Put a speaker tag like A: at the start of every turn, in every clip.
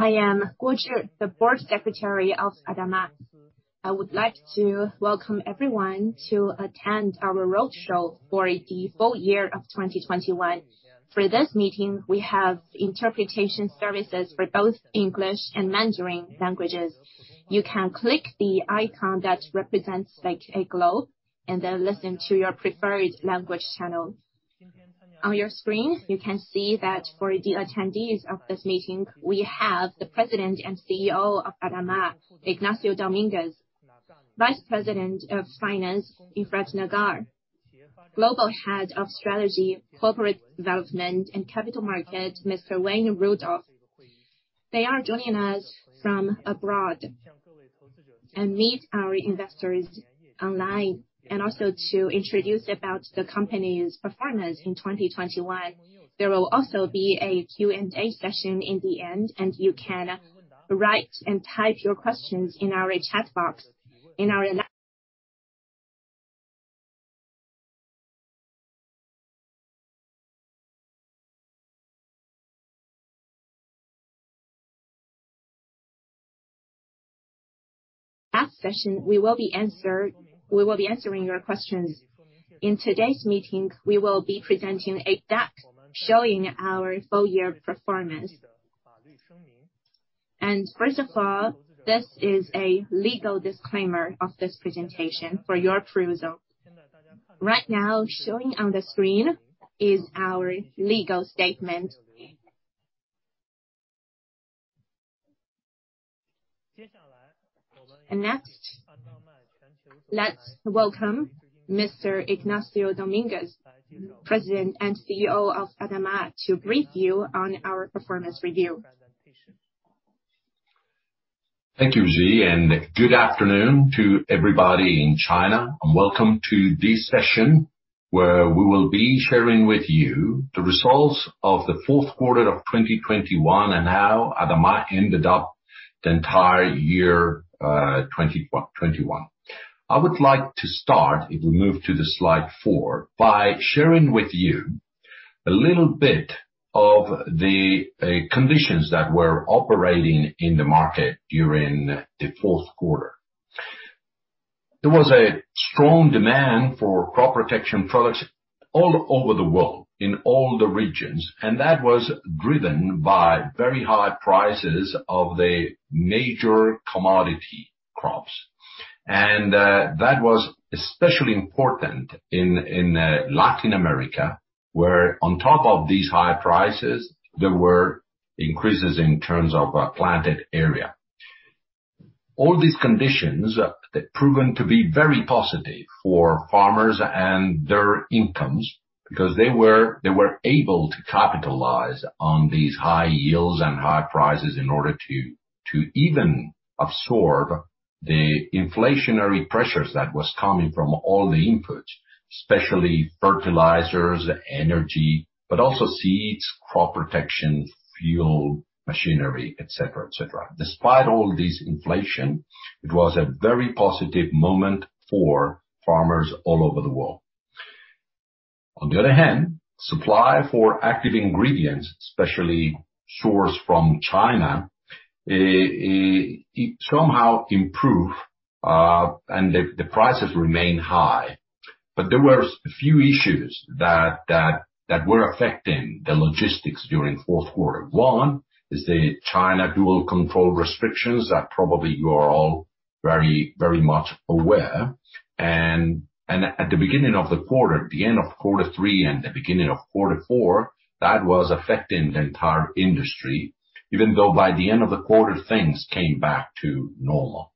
A: I am Guo Zhi, the Board Secretary of ADAMA. I would like to welcome everyone to attend our roadshow for the full year of 2021. For this meeting, we have interpretation services for both English and Mandarin languages. You can click the icon that represents like a globe, and then listen to your preferred language channel. On your screen, you can see that for the attendees of this meeting, we have the President and CEO of ADAMA, Ignacio Dominguez. Vice President of Finance, Efrat Nagar. Global Head of Strategy, Corporate Development and Capital Markets, Mr. Wayne Rudolph. They are joining us from abroad and meet our investors online, and also to introduce about the company's performance in 2021. There will also be a Q&A session in the end, and you can write and type your questions in our chat box. In our last session, we will be answering your questions. In today's meeting, we will be presenting a deck showing our full year performance. First of all, this is a legal disclaimer of this presentation for your approval. Right now, showing on the screen is our legal statement. Next, let's welcome Mr. Ignacio Dominguez, President and CEO of ADAMA, to brief you on our performance review.
B: Thank you, Zhi, and good afternoon to everybody in China, and welcome to this session where we will be sharing with you the results of the fourth quarter of 2021 and how ADAMA ended up the entire year, 2021. I would like to start, if we move to the slide four, by sharing with you a little bit of the conditions that were operating in the market during the fourth quarter. There was a strong demand for crop protection products all over the world, in all the regions, and that was driven by very high prices of the major commodity crops. That was especially important in Latin America, where on top of these high prices, there were increases in terms of planted area. All these conditions have proven to be very positive for our farmers and their incomes because they were able to capitalize on these high yields and high prices in order to even absorb the inflationary pressures that was coming from all the inputs, especially fertilizers, energy, but also seeds, crop protection, fuel, machinery, et cetera. Despite all this inflation, it was a very positive moment for farmers all over the world. On the other hand, supply for active ingredients, especially sourced from China, it somehow improved, and the prices remained high. There were a few issues that were affecting the logistics during fourth quarter. One is the China dual control restrictions that probably you are all very much aware. At the beginning of the quarter, at the end of quarter three and the beginning of quarter four, that was affecting the entire industry, even though by the end of the quarter, things came back to normal.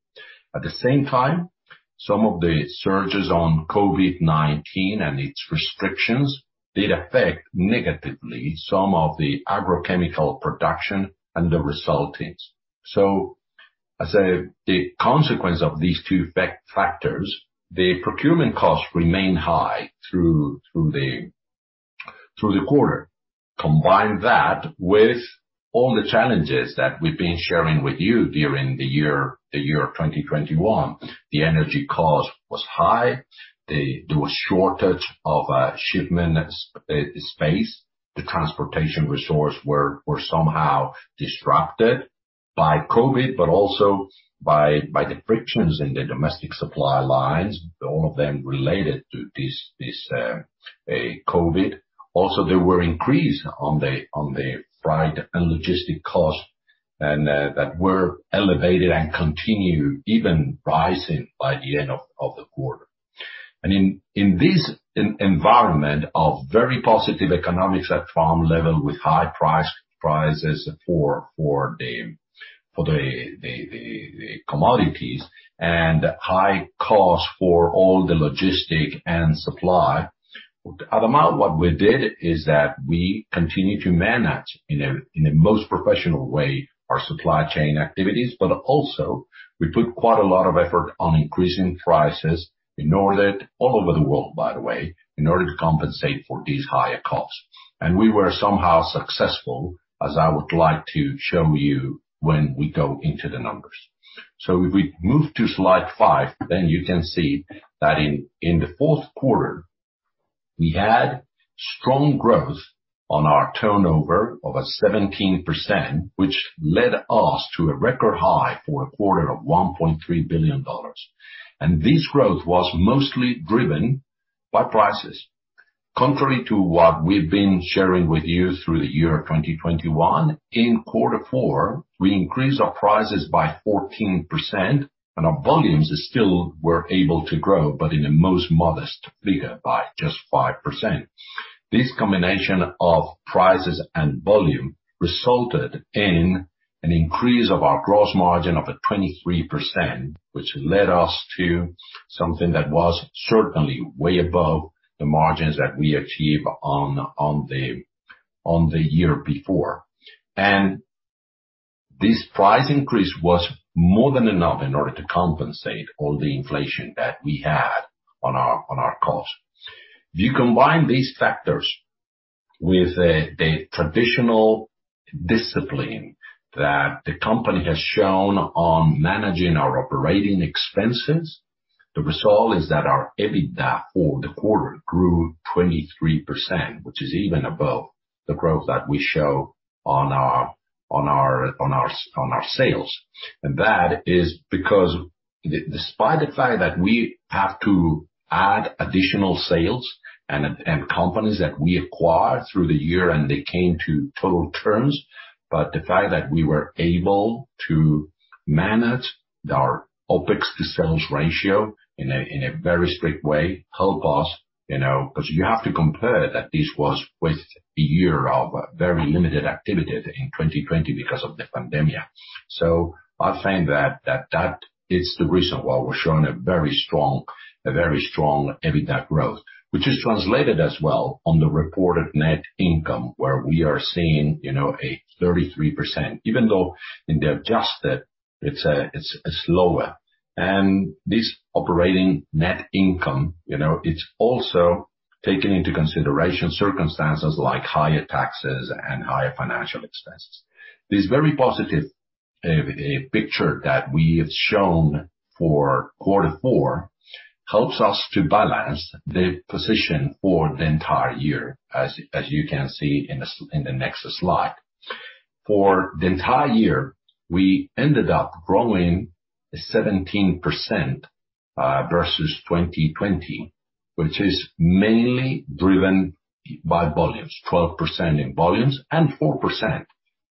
B: At the same time, some of the surges on COVID-19 and its restrictions did affect negatively some of the agrochemical production and the resultants. As a consequence of these two factors, the procurement costs remain high through the quarter. Combine that with all the challenges that we've been sharing with you during the year, the year of 2021. The energy cost was high. There was shortage of shipment space. The transportation resources were somehow disrupted by COVID, but also by the frictions in the domestic supply lines, all of them related to this COVID. There was an increase in the freight and logistic costs and that were elevated and continued even rising by the end of the quarter. In this environment of very positive economics at farm level with high prices for the commodities and high costs for all the logistic and supply, ADAMA, what we did is that we continued to manage in a most professional way our supply chain activities, but also we put quite a lot of effort on increasing prices in order all over the world, by the way, in order to compensate for these higher costs. We were somehow successful, as I would like to show you when we go into the numbers. If we move to slide five, you can see that in the fourth quarter. We had strong growth on our turnover of 17%, which led us to a record high for a quarter of $1.3 billion. This growth was mostly driven by prices. Contrary to what we've been sharing with you through the year 2021, in quarter four, we increased our prices by 14% and our volumes still were able to grow, but in a most modest figure, by just 5%. This combination of prices and volume resulted in an increase of our gross margin of 23%, which led us to something that was certainly way above the margins that we achieved in the year before. This price increase was more than enough in order to compensate all the inflation that we had on our costs. If you combine these factors with the traditional discipline that the company has shown on managing our operating expenses, the result is that our EBITDA for the quarter grew 23%, which is even above the growth that we show on our sales. That is because despite the fact that we have to add additional sales and companies that we acquired through the year, and they came to full terms, but the fact that we were able to manage our OpEx to sales ratio in a very strict way, help us, you know, 'cause you have to compare that this was with a year of very limited activity in 2020 because of the pandemic. I find that that is the reason why we're showing a very strong EBITDA growth, which is translated as well on the reported net income, where we are seeing, you know, a 33%. Even though in the adjusted it's slower. This operating net income, you know, it's also taking into consideration circumstances like higher taxes and higher financial expenses. This very positive picture that we have shown for quarter four helps us to balance the position for the entire year, as you can see in the next slide. For the entire year, we ended up growing 17% versus 2020, which is mainly driven by volumes, 12% in volumes and 4%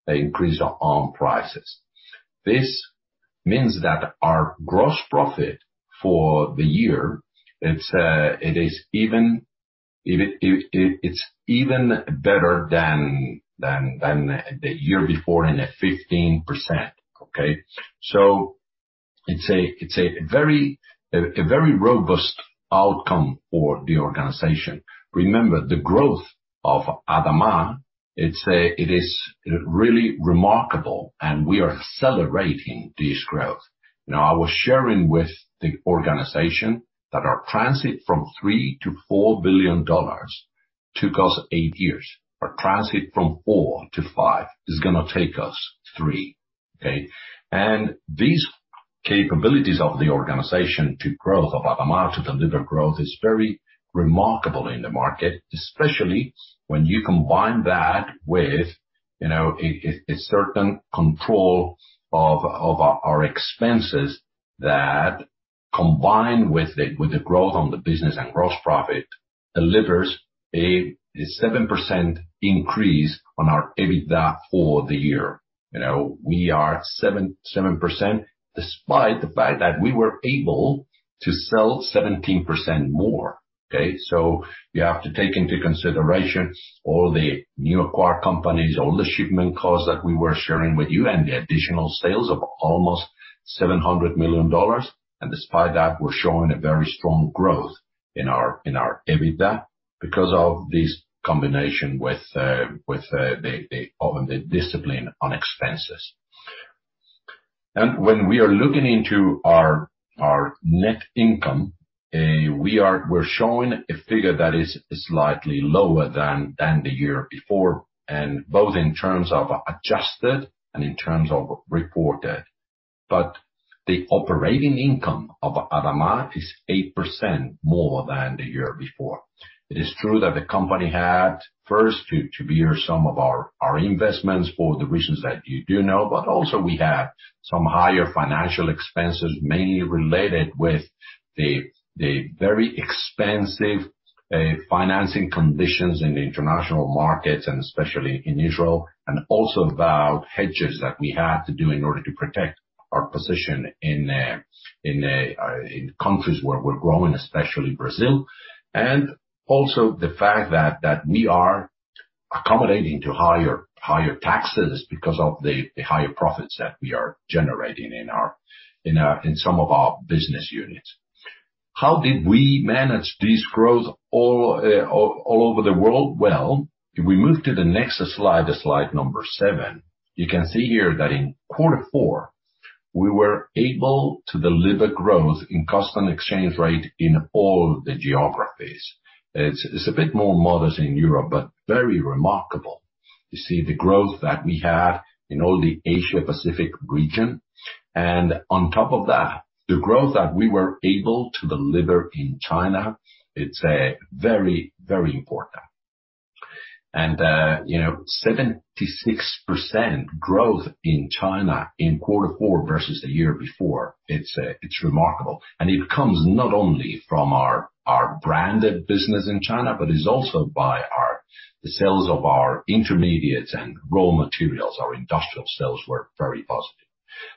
B: increase on prices. This means that our gross profit for the year, it is even. It's even better than the year before by 15%, okay? It's a very robust outcome for the organization. Remember, the growth of ADAMA, it's really remarkable, and we are celebrating this growth. Now, I was sharing with the organization that our transit from $3 billion to $4 billion took us eight years. Our transit from $4 billion to $5 billion is gonna take us three, okay? These capabilities of the organization to grow, of ADAMA to deliver growth is very remarkable in the market, especially when you combine that with, you know, a certain control of our expenses that combine with the growth on the business and gross profit, delivers a 7% increase on our EBITDA for the year. You know, we are 7% despite the fact that we were able to sell 17% more, okay? You have to take into consideration all the new acquired companies, all the shipment costs that we were sharing with you and the additional sales of almost $700 million. Despite that, we're showing a very strong growth in our EBITDA because of this combination with the discipline on expenses. When we are looking into our net income, we're showing a figure that is slightly lower than the year before, and both in terms of adjusted and in terms of reported. The operating income of ADAMA is 8% more than the year before. It is true that the company had first to bear some of our investments for the reasons that you do know. Also we have some higher financial expenses, mainly related with the very expensive financing conditions in the international markets and especially in Israel, and also about hedges that we had to do in order to protect our position in countries where we're growing, especially Brazil. Also the fact that we are accommodating to higher taxes because of the higher profits that we are generating in some of our business units. How did we manage this growth all over the world? Well, if we move to the next slide number seven, you can see here that in quarter four, we were able to deliver growth in constant exchange rate in all the geographies. It's a bit more modest in Europe, but very remarkable. You see the growth that we had in all the Asia Pacific region. On top of that, the growth that we were able to deliver in China, it's very, very important. You know, 76% growth in China in quarter four versus the year before, it's remarkable. It comes not only from our branded business in China, but also by our sales of our intermediates and raw materials. Our industrial sales were very positive.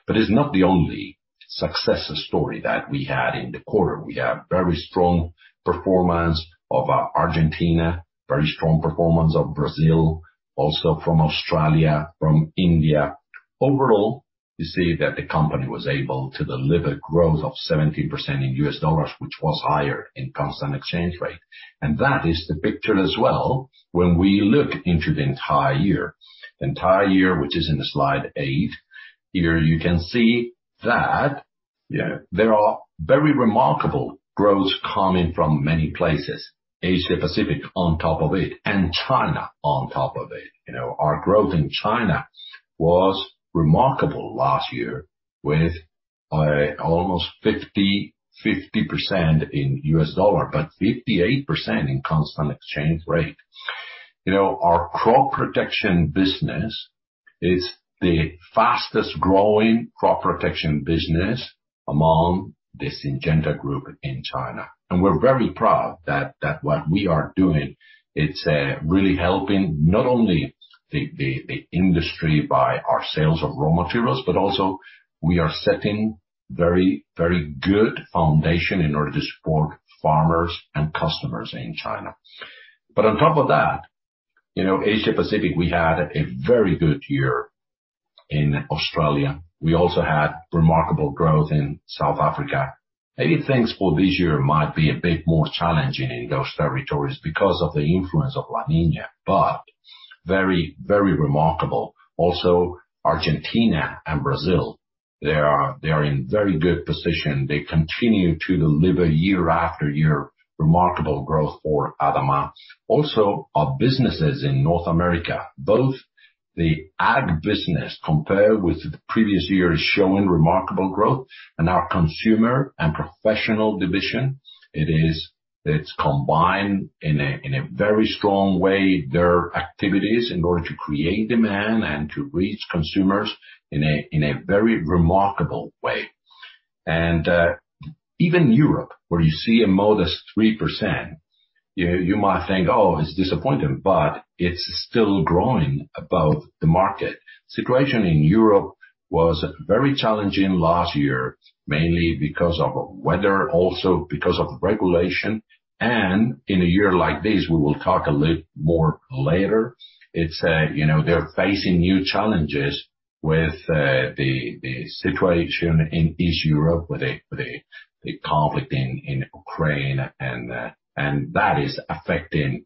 B: It's not the only success story that we had in the quarter. We have very strong performance of Argentina, very strong performance of Brazil, also from Australia, from India. Overall, you see that the company was able to deliver growth of 70% in U.S. dollars, which was higher in constant exchange rate. That is the picture as well when we look into the entire year. The entire year, which is in the slide eighth. Here you can see that there are very remarkable growth coming from many places. Asia Pacific on top of it and China on top of it. You know, our growth in China was remarkable last year with almost 50% in U.S. dollar, but 58% in constant exchange rate. You know, our crop protection business is the fastest growing crop protection business among the Syngenta Group in China. We're very proud that what we are doing, it's really helping not only the industry by our sales of raw materials, but also we are setting very good foundation in order to support farmers and customers in China. On top of that, you know, Asia Pacific, we had a very good year in Australia. We also had remarkable growth in South Africa. Maybe things for this year might be a bit more challenging in those territories because of the influence of La Niña, but very remarkable. Also, Argentina and Brazil, they are in very good position. They continue to deliver year after year remarkable growth for ADAMA. Also our businesses in North America, both the ag business compared with the previous years showing remarkable growth and our consumer and professional division. It is, it's combined in a very strong way, their activities in order to create demand and to reach consumers in a very remarkable way. Even Europe, where you see a modest 3%, you might think, "Oh, it's disappointing," but it's still growing above the market. Situation in Europe was very challenging last year, mainly because of weather, also because of regulation. In a year like this, we will talk a little more later. It's, you know, they're facing new challenges with the situation in East Europe with the conflict in Ukraine, and that is affecting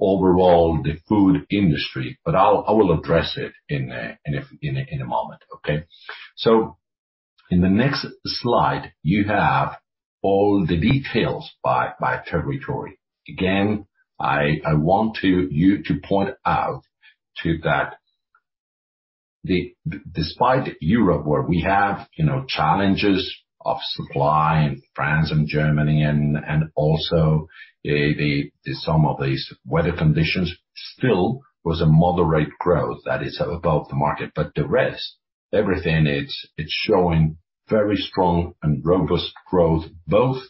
B: overall the food industry. I will address it in a moment, okay? In the next slide, you have all the details by territory. Again, I want you to point out that despite Europe, where we have challenges of supply in France and Germany and also some of these weather conditions, it was a moderate growth that is above the market. The rest, everything, it's showing very strong and robust growth, both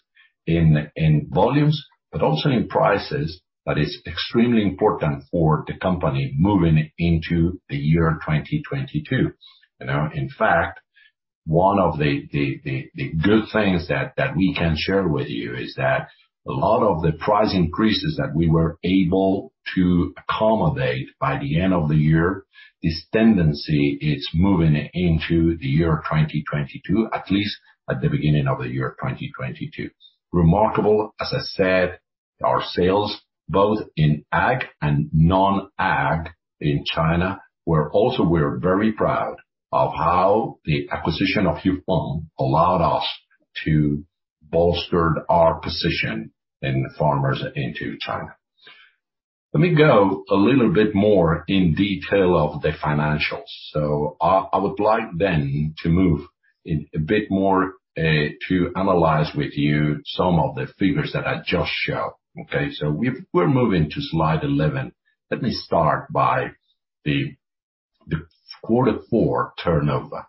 B: in volumes, but also in prices. That is extremely important for the company moving into the year 2022. In fact, one of the good things that we can share with you is that a lot of the price increases that we were able to accommodate by the end of the year, this tendency is moving into the year 2022, at least at the beginning of the year 2022. Remarkable, as I said, our sales both in ag and non-ag in China. We're very proud of how the acquisition of Huifeng allowed us to bolster our position in farm inputs in China. Let me go a little bit more in detail of the financials. I would like then to move in a bit more to analyze with you some of the figures that I just showed. Okay? We're moving to slide 11. Let me start by the quarter four turnover.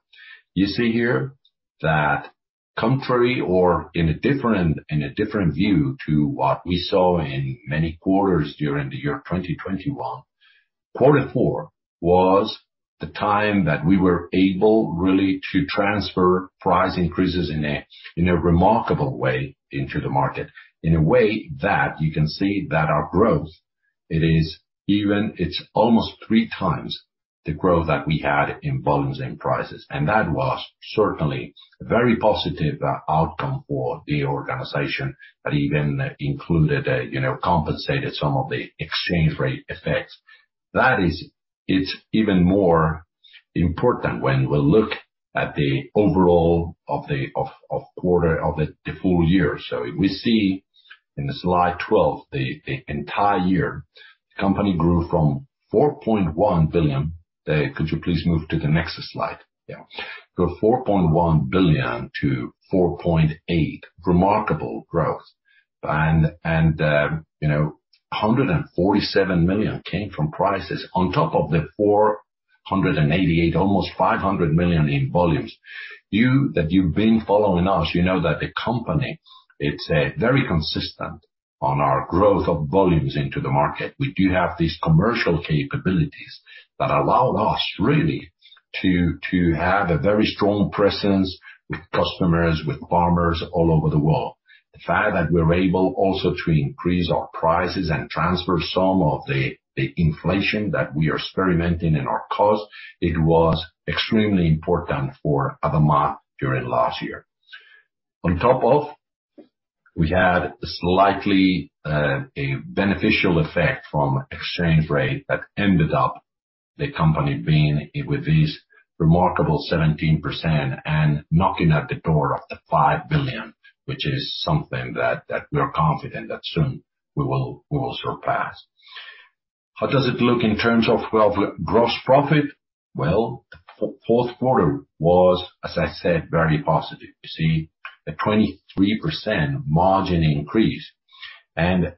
B: You see here that contrary to, or in a different view to what we saw in many quarters during the year 2021, quarter four was the time that we were able really to transfer price increases in a remarkable way into the market. In a way that you can see that our growth is almost three times the growth that we had in volumes and prices. That was certainly a very positive outcome for the organization that even included, you know, compensated some of the exchange rate effects. That is, it's even more important when we look at the overall of the quarter, the full year. If we see in the slide 12, the entire year, the company grew from $4.1 billion. Could you please move to the next slide? Yeah. Grew $4.1 billion to $4.8 billion. Remarkable growth. You know, $147 million came from prices on top of the $498 million, almost $500 million in volumes. You know that if you've been following us, you know that the company, it's very consistent in our growth of volumes into the market. We do have these commercial capabilities that allow us really to have a very strong presence with customers, with farmers all over the world. The fact that we're able also to increase our prices and transfer some of the inflation that we are experiencing in our costs, it was extremely important for ADAMA during last year. On top of, we had slightly a beneficial effect from exchange rate that ended up the company being with these remarkable 17% and knocking at the door of the $5 billion, which is something that we are confident that soon we will surpass. How does it look in terms of, well, gross profit? Well, fourth quarter was, as I said, very positive. You see a 23% margin increase.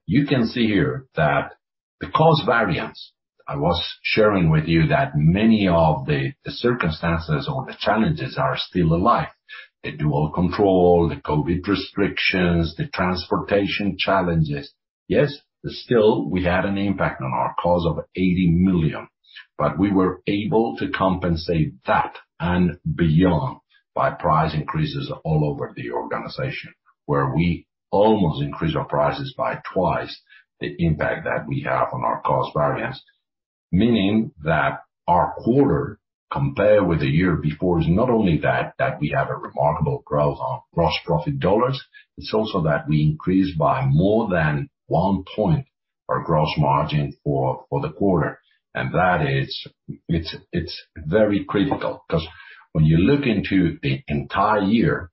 B: You can see here that the cost variance I was sharing with you, that many of the circumstances or the challenges are still alive. The dual control, the COVID restrictions, the transportation challenges. Yes, still we had an impact on our cost of $80 million, but we were able to compensate that and beyond by price increases all over the organization, where we almost increased our prices by twice the impact that we have on our cost variance. Meaning that our quarter, compared with the year before, is not only that we have a remarkable growth on gross profit dollars, it's also that we increased by more than one point our gross margin for the quarter. That is, it's very critical 'cause when you look into the entire year,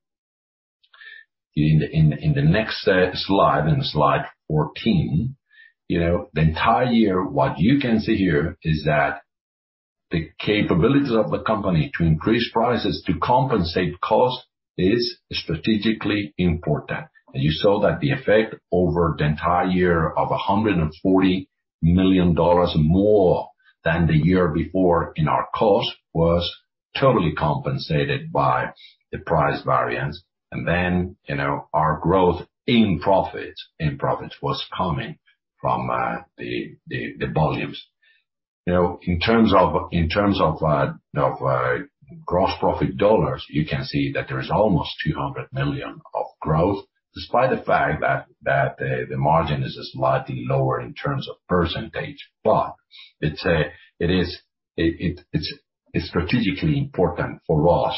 B: in the next slide 14, you know, the entire year, what you can see here is that the capabilities of the company to increase prices to compensate cost is strategically important. You saw that the effect over the entire year of $140 million more than the year before in our cost was totally compensated by the price variance. You know, our growth in profits was coming from the volumes. You know, in terms of gross profit dollars, you can see that there is almost $200 million of growth, despite the fact that the margin is slightly lower in terms of percentage. It's strategically important for us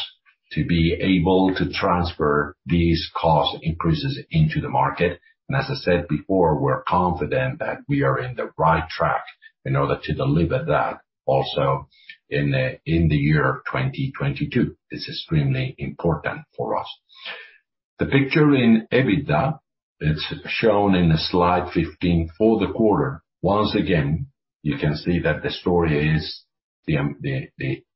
B: to be able to transfer these cost increases into the market. As I said before, we're confident that we are in the right track in order to deliver that also in 2022. It's extremely important for us. The picture in EBITDA is shown in slide 15 for the quarter. Once again, you can see that the story is the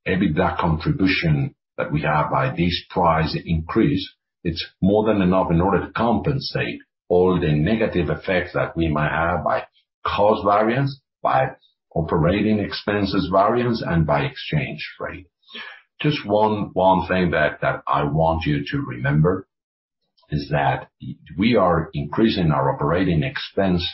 B: EBITDA contribution that we have by this price increase. It's more than enough in order to compensate all the negative effects that we might have by cost variance, by operating expenses variance and by exchange rate. Just one thing that I want you to remember is that we are increasing our operating expense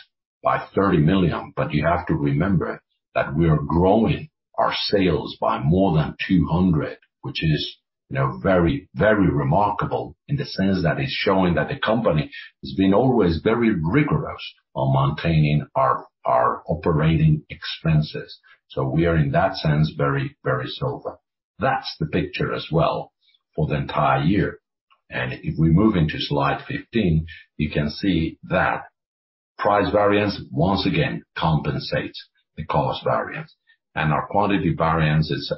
B: by $30 million, but you have to remember that we are growing our sales by more than $200 million, which is, you know, very remarkable in the sense that it's showing that the company has been always very rigorous on maintaining our operating expenses. So we are, in that sense, very sober. That's the picture as well for the entire year. If we move into slide 15, you can see that price variance once again compensates the cost variance. Our quantity variance is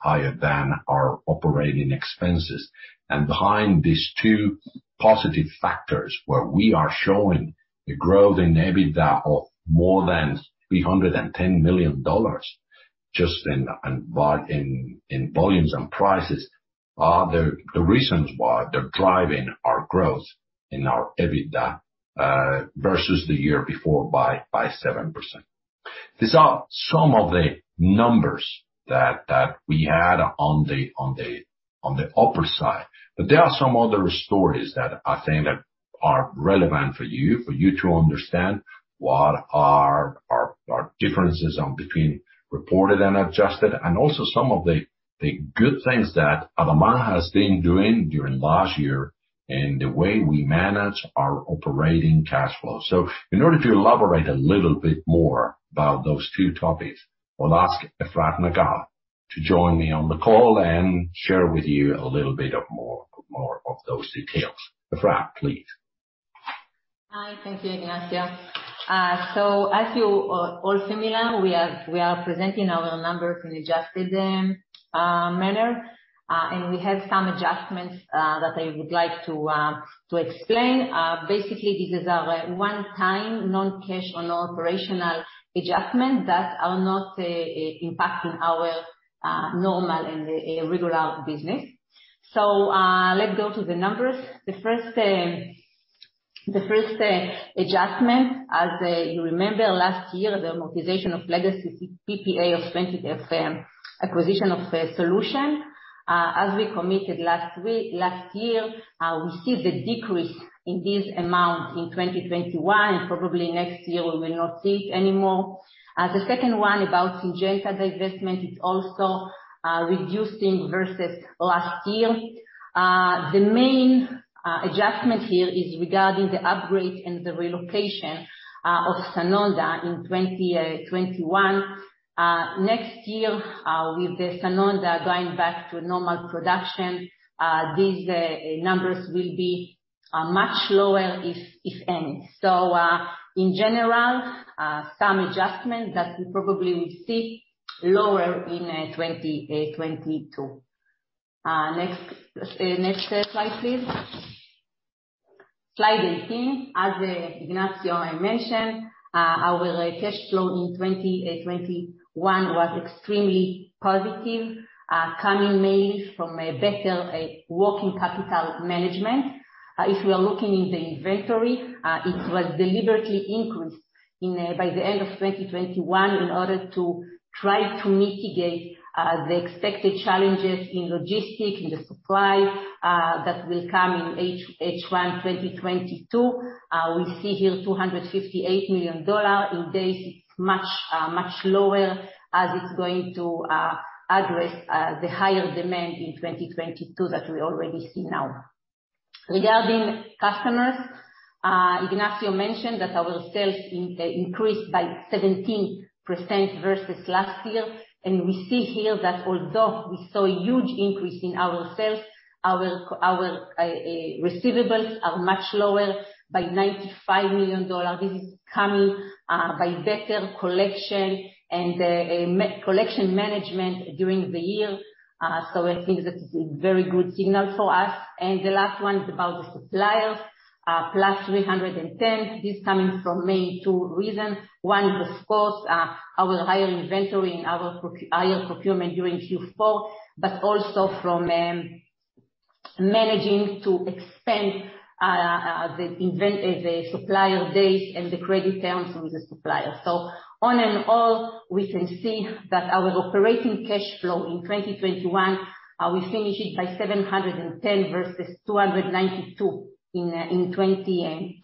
B: higher than our operating expenses. Behind these two positive factors, where we are showing the growth in EBITDA of more than $310 million just in volumes and prices, are the reasons why they're driving our growth in our EBITDA versus the year before by 7%. These are some of the numbers that we had on the upper side. There are some other stories that I think that are relevant for you to understand what are our differences between reported and adjusted, and also some of the good things that ADAMA has been doing during last year in the way we manage our operating cash flow. In order to elaborate a little bit more about those two topics, I'll ask Efrat Nagar to join me on the call and share with you a little bit more of those details. Efrat, please.
C: Thank you, Ignacio. As you are all familiar, we are presenting our numbers in adjusted manner, and we have some adjustments that I would like to explain. Basically these are a one-time non-cash or non-operational adjustments that are not impacting our normal and regular business. Let's go to the numbers. The first adjustment, as you remember last year, the amortization of legacy PPA of 2017 acquisition of Solutions. As we committed last year, we see the decrease in this amount in 2021, and probably next year we will not see it anymore. The second one about Syngenta divestment, it's also reducing versus last year. The main adjustment here is regarding the upgrade and the relocation of Sanonda in 2021. Next year, with the Sanonda going back to normal production, these numbers will be much lower if any. In general, some adjustments that we probably will see lower in 2022. Next slide, please. Slide 18. As Ignacio mentioned, our cash flow in 2021 was extremely positive, coming mainly from a better working capital management. If we are looking in the inventory, it was deliberately increased by the end of 2021 in order to try to mitigate the expected challenges in logistics, in the supply that will come in H1 2022. We see here $258 million. In days, it's much lower as it's going to address the higher demand in 2022 that we already see now. Regarding customers, Ignacio mentioned that our sales increased by 17% versus last year. We see here that although we saw a huge increase in our sales, our receivables are much lower by $95 million. This is coming by better collection and collection management during the year. I think that is a very good signal for us. The last one is about the suppliers, +$310 million. This is coming from mainly two reasons. One is, of course, our higher inventory and our higher procurement during Q4, but also from managing to extend the supplier days and the credit terms with the suppliers. All in all, we can see that our operating cash flow in 2021 we finish it by $710 versus $292 in 2020.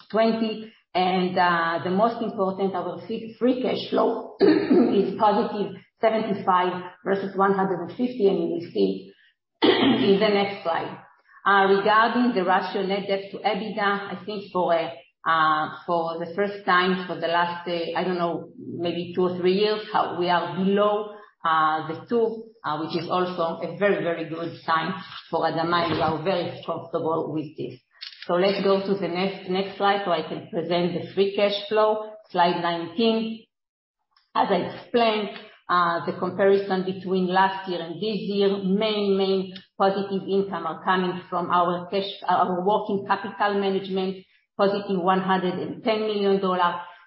C: The most important, our free cash flow is positive $75 versus $150, and you will see in the next slide. Regarding the ratio net debt to EBITDA, I think for the first time for the last I don't know, maybe tw or three years, now we are below the two, which is also a very, very good sign for ADAMA. We are very comfortable with this. Let's go to the next slide so I can present the free cash flow. Slide 19. As I explained, the comparison between last year and this year, main positive income are coming from our cash, our working capital management, positive $110 million.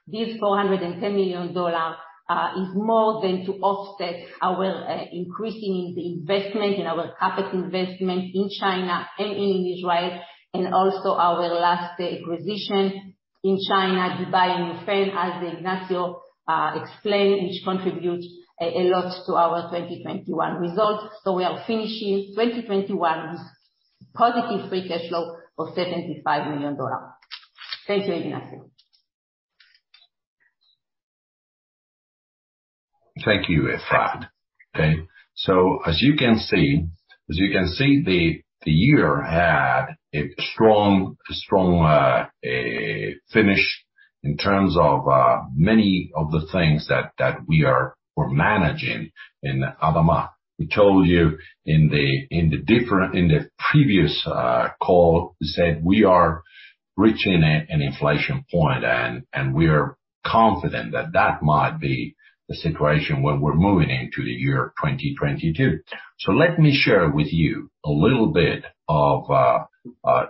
C: This $410 million is more than to offset our increasing the investment in our capital investment in China and in Israel, and also our last acquisition in China, Dubai and Spain, as Ignacio explained, which contributes a lot to our 2021 results. We are finishing 2021 with positive free cash flow of $75 million. Thank you, Ignacio.
B: Thank you, Efrat. Okay. As you can see, the year had a strong finish in terms of many of the things that we are managing in ADAMA. We told you in the previous call, said we are reaching an inflection point, and we are confident that that might be the situation when we're moving into the year 2022. Let me share with you a little bit of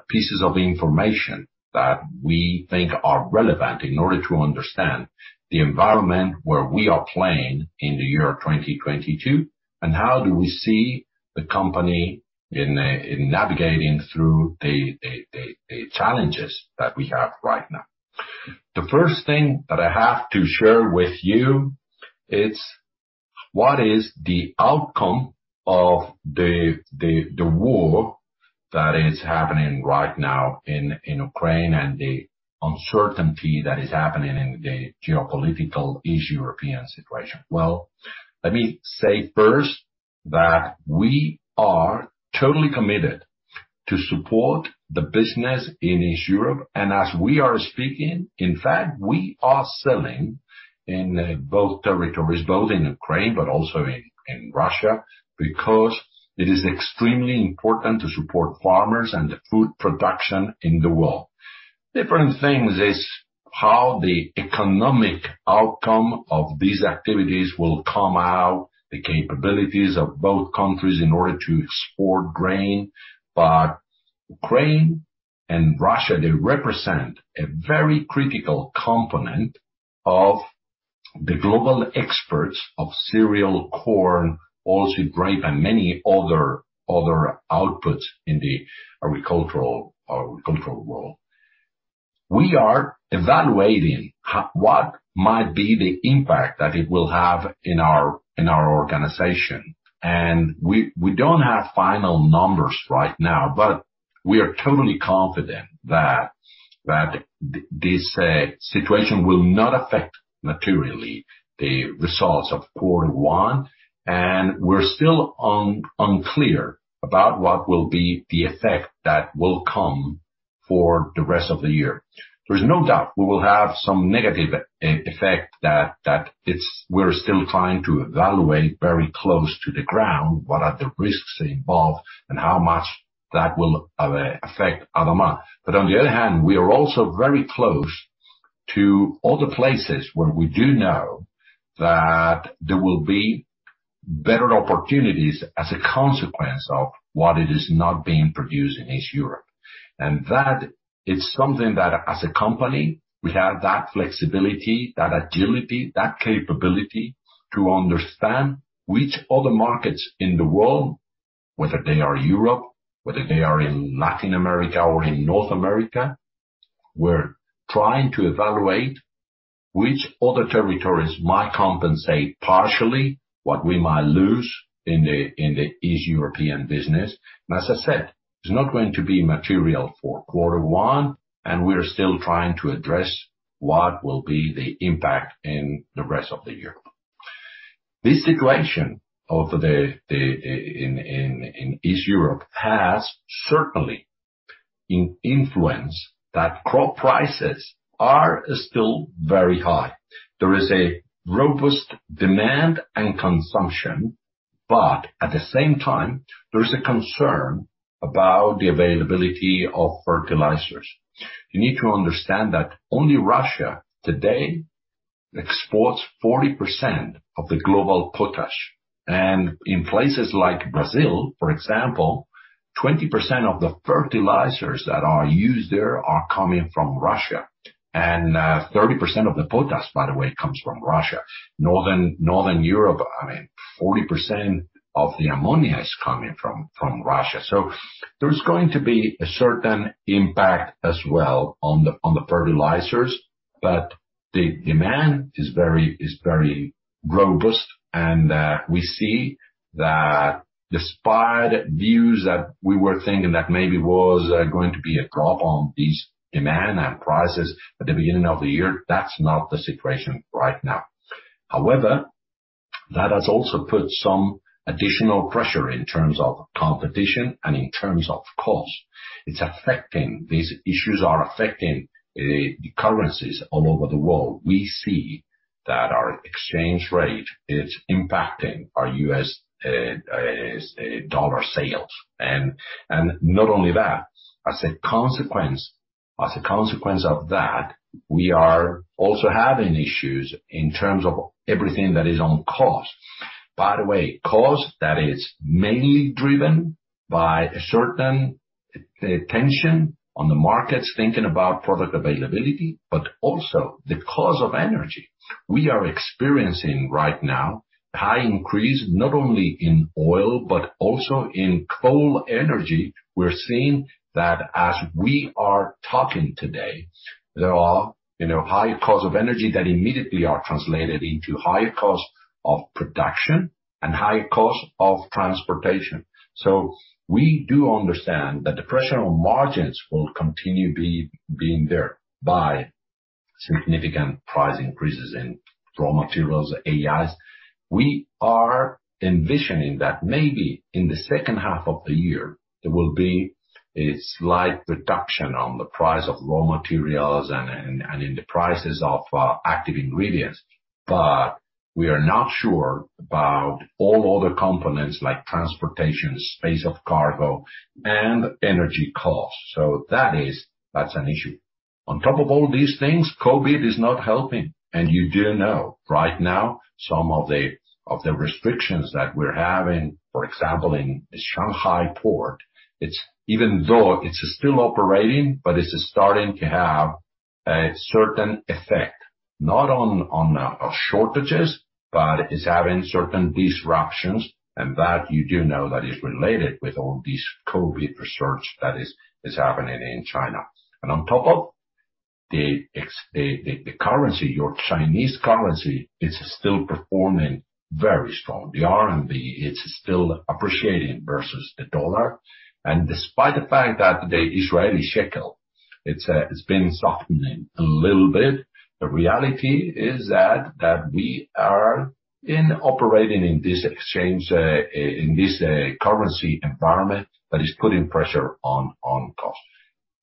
B: pieces of information that we think are relevant in order to understand the environment where we are playing in the year 2022, and how do we see the company in navigating through the challenges that we have right now. The first thing that I have to share with you is what is the outcome of the war that is happening right now in Ukraine and the uncertainty that is happening in the geopolitical East European situation. Well, let me say first that we are totally committed to support the business in East Europe. As we are speaking, in fact, we are selling in both territories, both in Ukraine but also in Russia, because it is extremely important to support farmers and the food production in the world. Different thing is how the economic outcome of these activities will come out, the capabilities of both countries in order to export grain. Ukraine and Russia, they represent a very critical component of the global exports of cereal, corn, also rapeseed, and many other outputs in the agricultural world. We are evaluating what might be the impact that it will have in our organization. We don't have final numbers right now, but we are totally confident that this situation will not affect materially the results of quarter one, and we're still unclear about what will be the effect that will come for the rest of the year. There's no doubt we will have some negative effect. We're still trying to evaluate very close to the ground what are the risks involved and how much that will affect ADAMA. On the other hand, we are also very close to other places where we do know that there will be better opportunities as a consequence of what it is not being produced in East Europe. That is something that as a company, we have that flexibility, that agility, that capability to understand which other markets in the world, whether they are Europe, whether they are in Latin America or in North America, we're trying to evaluate which other territories might compensate partially what we might lose in the Eastern European business. As I said, it's not going to be material for quarter one, and we are still trying to address what will be the impact in the rest of the year. This situation in Eastern Europe has certainly influenced that crop prices are still very high. There is a robust demand and consumption, but at the same time, there is a concern about the availability of fertilizers. You need to understand that only Russia today exports 40% of the global potash. In places like Brazil, for example, 20% of the fertilizers that are used there are coming from Russia. 30% of the potash, by the way, comes from Russia. Northern Europe, I mean, 40% of the ammonia is coming from Russia. There is going to be a certain impact as well on the fertilizers, but the demand is very robust. We see that despite views that we were thinking that maybe was going to be a drop in this demand and prices at the beginning of the year, that's not the situation right now. However, that has also put some additional pressure in terms of competition and in terms of cost. It's affecting. These issues are affecting the currencies all over the world. We see that our exchange rate is impacting our U.S. dollar sales. Not only that, as a consequence of that, we are also having issues in terms of everything that is on cost. By the way, cost that is mainly driven by a certain tension on the markets, thinking about product availability, but also the cost of energy. We are experiencing right now high increase, not only in oil, but also in coal energy. We're seeing that as we are talking today, there are high costs of energy that immediately are translated into high cost of production and high cost of transportation. We do understand that the pressure on margins will continue being there by significant price increases in raw materials, AIS. We are envisioning that maybe in the second half of the year, there will be a slight reduction on the price of raw materials and in the prices of active ingredients. We are not sure about all other components like transportation, space of cargo, and energy costs. That is an issue. On top of all these things, COVID is not helping. You do know right now some of the restrictions that we're having, for example, in the Shanghai Port. It's even though it's still operating, but it's starting to have a certain effect, not on shortages, but it's having certain disruptions. That you do know that is related with all these COVID research that is happening in China. On top of the currency, your Chinese currency is still performing very strong. The RMB, it's still appreciating versus the dollar. Despite the fact that the Israeli shekel, it's been softening a little bit, the reality is that we are operating in this exchange in this currency environment that is putting pressure on cost.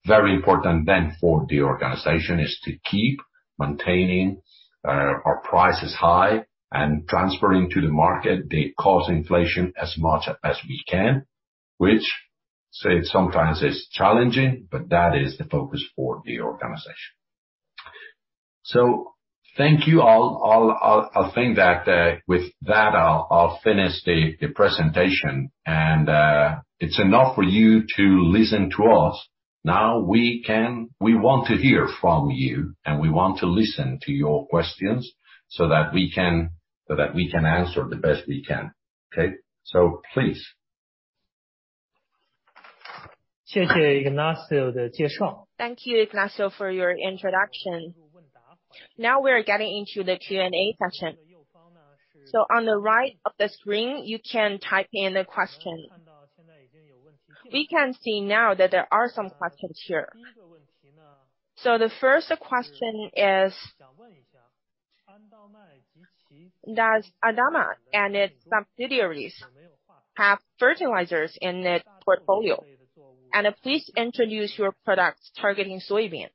B: Very important then for the organization is to keep maintaining our prices high and transferring to the market the cost inflation as much as we can, which sometimes it's challenging, but that is the focus for the organization. Thank you all. I think that with that I'll finish the presentation and it's enough for you to listen to us. Now we want to hear from you, and we want to listen to your questions so that we can answer as best we can. Okay? Please.
A: Thank you, Ignacio, for your introduction. Now we're getting into the Q&A session. On the right of the screen, you can type in the question. We can see now that there are some questions here. The first question is, does ADAMA and its subsidiaries have fertilizers in its portfolio? And please introduce your products targeting soybeans.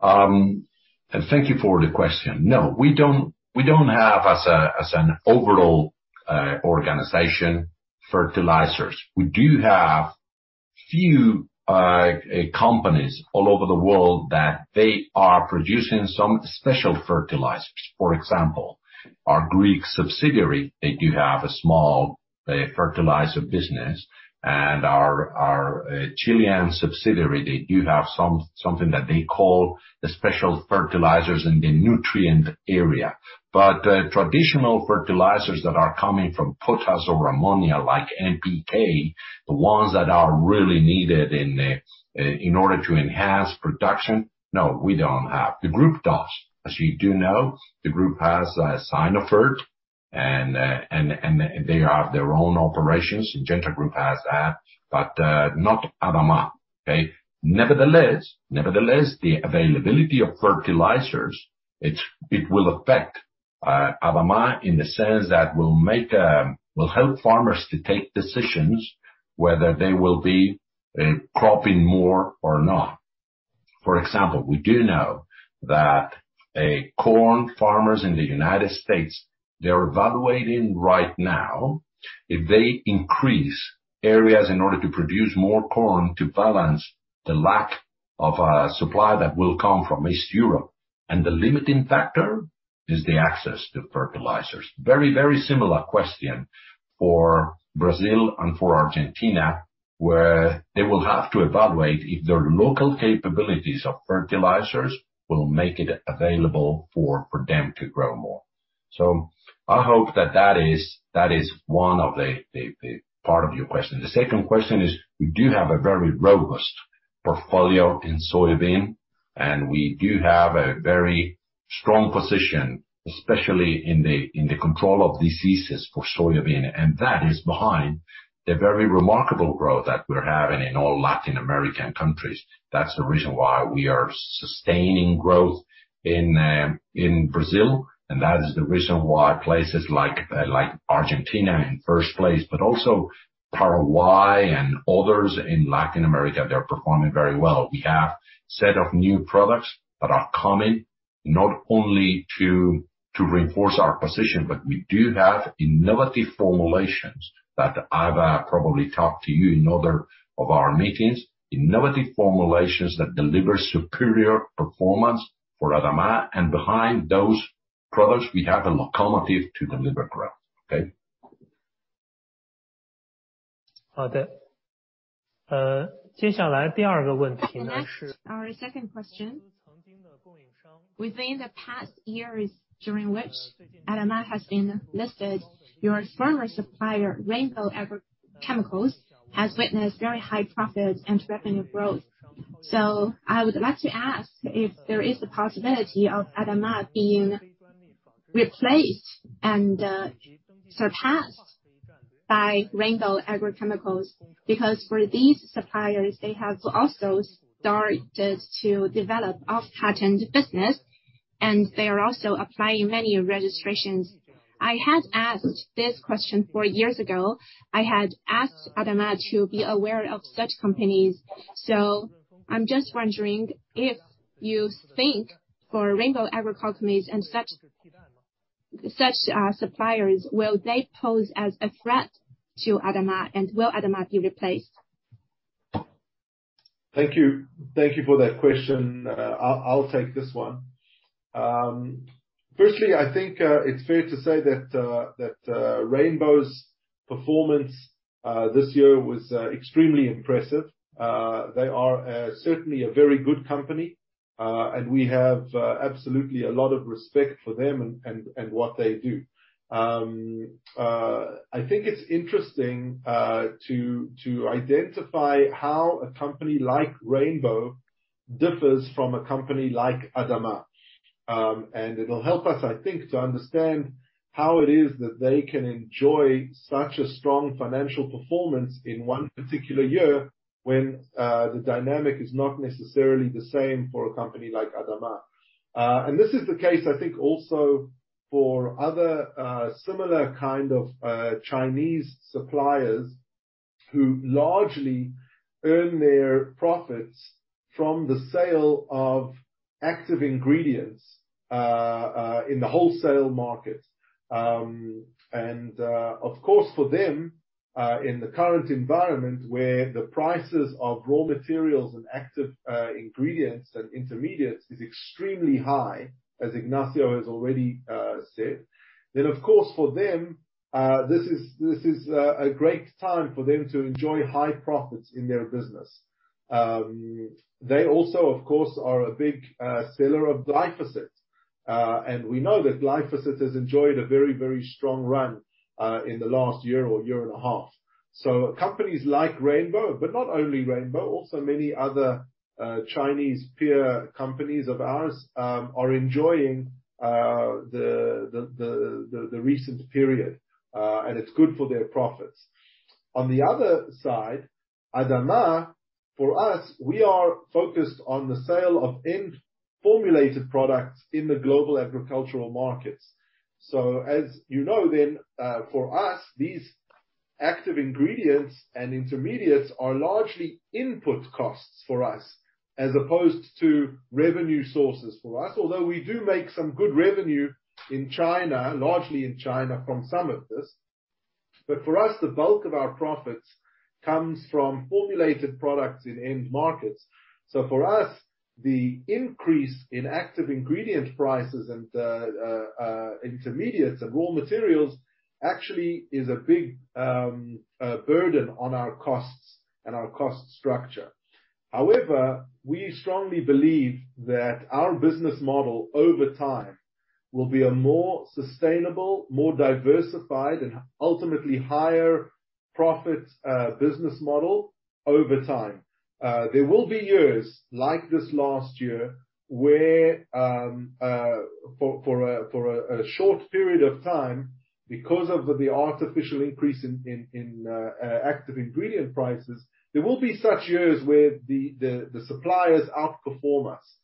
B: Thank you for the question. No, we don't have, as an overall organization, fertilizers. We do have few companies all over the world that they are producing some special fertilizers. For example, our Greek subsidiary, they do have a small fertilizer business. Our Chilean subsidiary, they do have something that they call the special fertilizers in the nutrient area. Traditional fertilizers that are coming from potash or ammonia, like NPK, the ones that are really needed in order to enhance production, no, we don't have. The group does. As you know, the group has Sinofert and they have their own operations. Syngenta Group has that, but not ADAMA. Okay? Nevertheless, the availability of fertilizers will affect ADAMA in the sense that it will help farmers to take decisions whether they will be cropping more or not. For example, we do know that corn farmers in the U.S. Are evaluating right now if they increase areas in order to produce more corn to balance the lack of supply that will come from East Europe. The limiting factor is the access to fertilizers. Very similar question for Brazil and for Argentina, where they will have to evaluate if their local capabilities of fertilizers will make it available for them to grow more. I hope that is one of the part of your question. The second question is we do have a very robust portfolio in soybean, and we do have a very strong position, especially in the control of diseases for soybean. That is behind the very remarkable growth that we're having in all Latin American countries. That's the reason why we are sustaining growth in Brazil. That is the reason why places like Argentina in first place, but also Paraguay and others in Latin America, they're performing very well. We have set of new products that are coming not only to reinforce our position, but we do have innovative formulations that I've probably talked to you in other of our meetings. Innovative formulations that deliver superior performance for ADAMA. Behind those products, we have a locomotive to deliver growth. Okay?
A: Next, our second question. Within the past years during which ADAMA has been listed, your former supplier, Rainbow Agrochemicals, has witnessed very high profits and revenue growth. I would like to ask if there is a possibility of ADAMA being replaced and surpassed by Rainbow Agrochemicals, because for these suppliers, they have also started to develop off-patent business, and they are also applying many registrations. I had asked this question four years ago. I had asked ADAMA to be aware of such companies. I'm just wondering if you think for Rainbow Agrochemicals and such suppliers, will they pose as a threat to ADAMA and will ADAMA be replaced?
D: Thank you for that question. I'll take this one. Firstly, I think it's fair to say that Rainbow's performance this year was extremely impressive. They are certainly a very good company, and we have absolutely a lot of respect for them and what they do. I think it's interesting to identify how a company like Rainbow differs from a company like ADAMA. It'll help us, I think, to understand how it is that they can enjoy such a strong financial performance in one particular year when the dynamic is not necessarily the same for a company like ADAMA. This is the case, I think, also for other similar kind of Chinese suppliers who largely earn their profits from the sale of- Active ingredients in the wholesale market. Of course, for them, in the current environment where the prices of raw materials and active ingredients and intermediates is extremely high, as Ignacio has already said, then of course for them, this is a great time for them to enjoy high profits in their business. They also, of course, are a big seller of glyphosate. We know that glyphosate has enjoyed a very, very strong run in the last year or year and a half. Companies like Rainbow, but not only Rainbow, also many other Chinese peer companies of ours, are enjoying the recent period, and it's good for their profits. On the other side, ADAMA, for us, we are focused on the sale of end formulated products in the global agricultural markets. As you know then, for us, these active ingredients and intermediates are largely input costs for us, as opposed to revenue sources for us. Although we do make some good revenue in China, largely in China from some of this. For us, the bulk of our profits comes from formulated products in end markets. For us, the increase in active ingredient prices and the intermediates and raw materials actually is a big burden on our costs and our cost structure. However, we strongly believe that our business model over time will be a more sustainable, more diversified, and ultimately higher profit business model over time. There will be years like this last year where, for a short period of time, because of the artificial increase in active ingredient prices, there will be such years where the suppliers outperform us.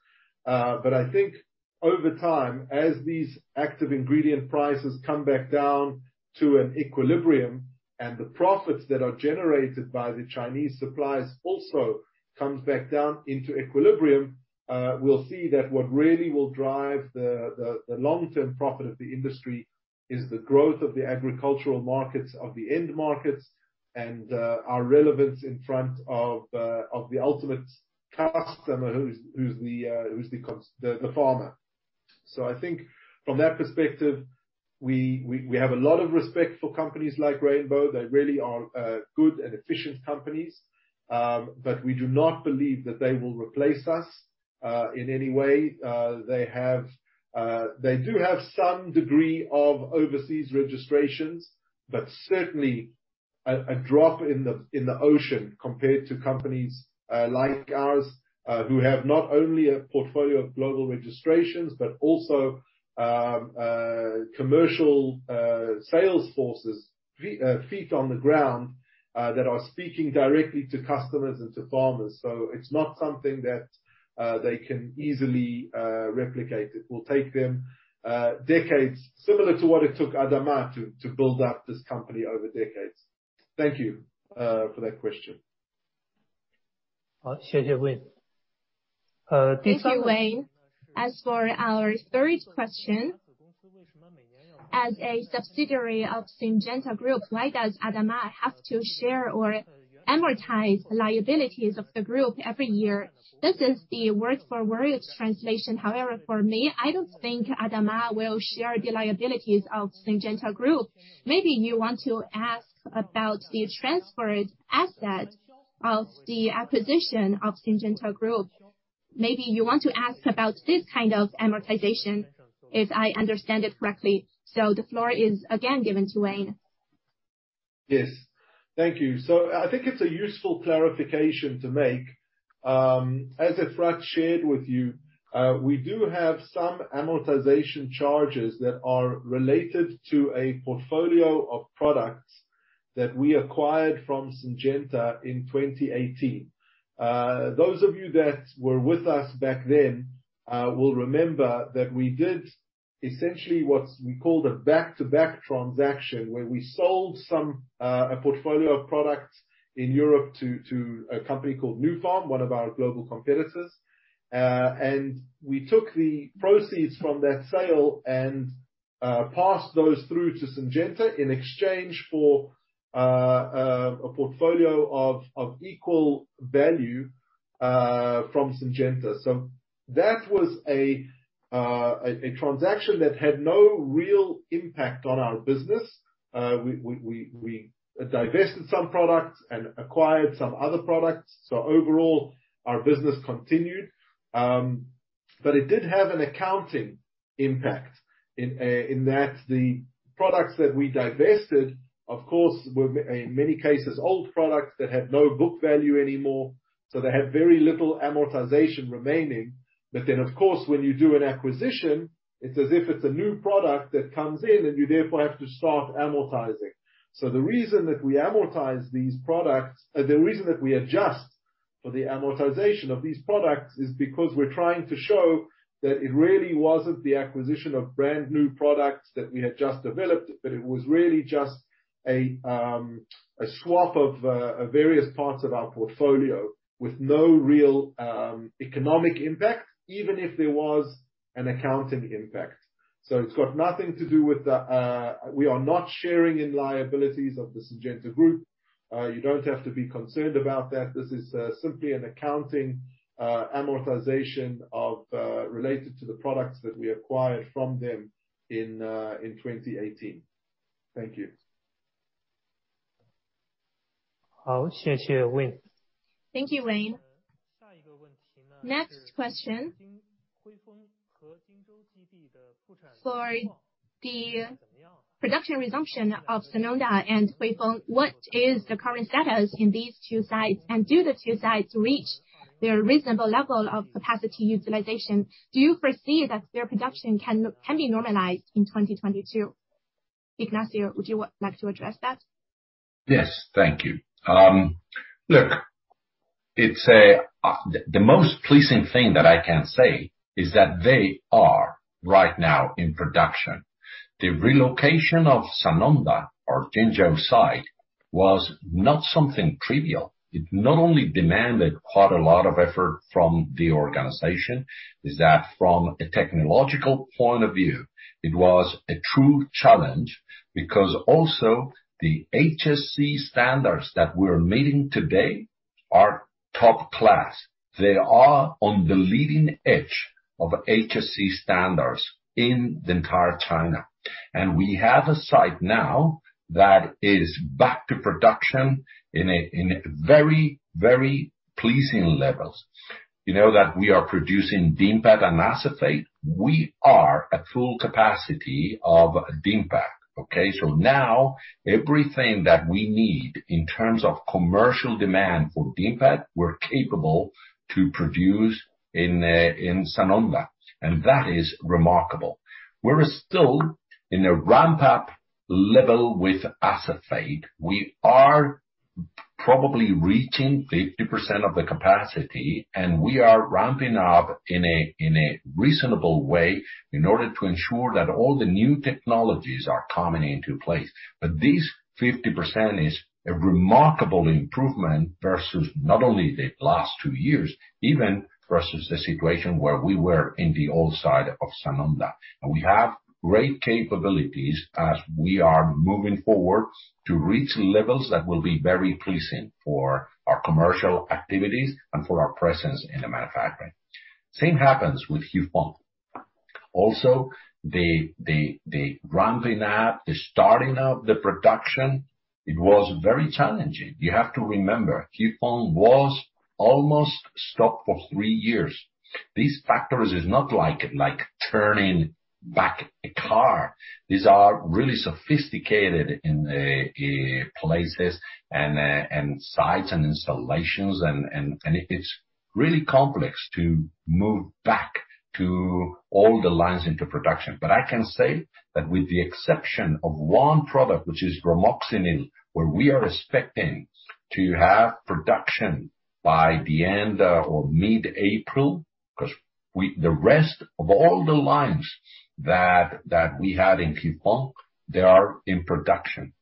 D: I think over time, as these active ingredient prices come back down to an equilibrium, and the profits that are generated by the Chinese suppliers also comes back down into equilibrium, we'll see that what really will drive the long-term profit of the industry is the growth of the agricultural markets, of the end markets, and our relevance in front of the ultimate customer who's the farmer. I think from that perspective, we have a lot of respect for companies like Rainbow. They really are good and efficient companies. We do not believe that they will replace us in any way. They do have some degree of overseas registrations, but certainly a drop in the ocean compared to companies like ours, who have not only a portfolio of global registrations, but also commercial sales forces, feet on the ground, that are speaking directly to customers and to farmers. It's not something that they can easily replicate. It will take them decades, similar to what it took ADAMA to build up this company over decades. Thank you for that question.
A: Thank you, Wayne. As for our third question, as a subsidiary of Syngenta Group, why does ADAMA have to share or amortize liabilities of the group every year? This is the word for word translation. However, for me, I don't think ADAMA will share the liabilities of Syngenta Group. Maybe you want to ask about the transferred asset of the acquisition of Syngenta Group. Maybe you want to ask about this kind of amortization, if I understand it correctly. The floor is again given to Wayne.
D: Yes. Thank you. I think it's a useful clarification to make. As Efrat shared with you, we do have some amortization charges that are related to a portfolio of products that we acquired from Syngenta in 2018. Those of you that were with us back then will remember that we did essentially what we call the back-to-back transaction, where we sold some a portfolio of products in Europe to a company called Nufarm, one of our global competitors. We took the proceeds from that sale and passed those through to Syngenta in exchange for a portfolio of equal value from Syngenta. That was a transaction that had no real impact on our business. We divested some products and acquired some other products. Overall, our business continued. It did have an accounting impact in that the products that we divested, of course, were in many cases old products that had no book value anymore, so they had very little amortization remaining. Then, of course, when you do an acquisition, it's as if it's a new product that comes in and you therefore have to start amortizing. The reason that we adjust for the amortization of these products is because we're trying to show that it really wasn't the acquisition of brand-new products that we had just developed, but it was really just a swap of various parts of our portfolio with no real economic impact, even if there was an accounting impact. We are not sharing in liabilities of the Syngenta Group. You don't have to be concerned about that. This is simply an accounting amortization related to the products that we acquired from them in 2018. Thank you.
A: Thank you, Wayne. Next question. For the production resumption of Sanonda and Huifeng, what is the current status in these two sites, and do the two sites reach their reasonable level of capacity utilization? Do you foresee that their production can be normalized in 2022? Ignacio, would you like to address that?
B: Yes, thank you. Look, it's the most pleasing thing that I can say is that they are right now in production. The relocation of Sanonda, our Jingzhou site, was not something trivial. It not only demanded quite a lot of effort from the organization, from a technological point of view, it was a true challenge because also the HSE standards that we're meeting today are top class. They are on the leading edge of HSE standards in entire China. And we have a site now that is back to production in a very pleasing levels. You know that we are producing dimethoate and acephate. We are at full capacity of dimethoate, okay? Now everything that we need in terms of commercial demand for dimethoate, we're capable to produce in Sanonda, and that is remarkable. We're still in a ramp-up level with acephate. We are probably reaching 50% of the capacity, and we are ramping up in a reasonable way in order to ensure that all the new technologies are coming into place. This 50% is a remarkable improvement versus not only the last two years, even versus the situation where we were in the old site of Sanonda. We have great capabilities as we are moving forward to reach levels that will be very pleasing for our commercial activities and for our presence in the manufacturing. Same happens with Huifeng. Also, the ramping up, the starting up the production, it was very challenging. You have to remember, Huifeng was almost stopped for three years. These factors is not like turning back a car. These are really sophisticated in places and sites and installations and it's really complex to move back to all the lines into production. I can say that with the exception of one product, which is bromoxynil, where we are expecting to have production by the end of mid-April, because the rest of all the lines that we had in Huifeng, they are in production.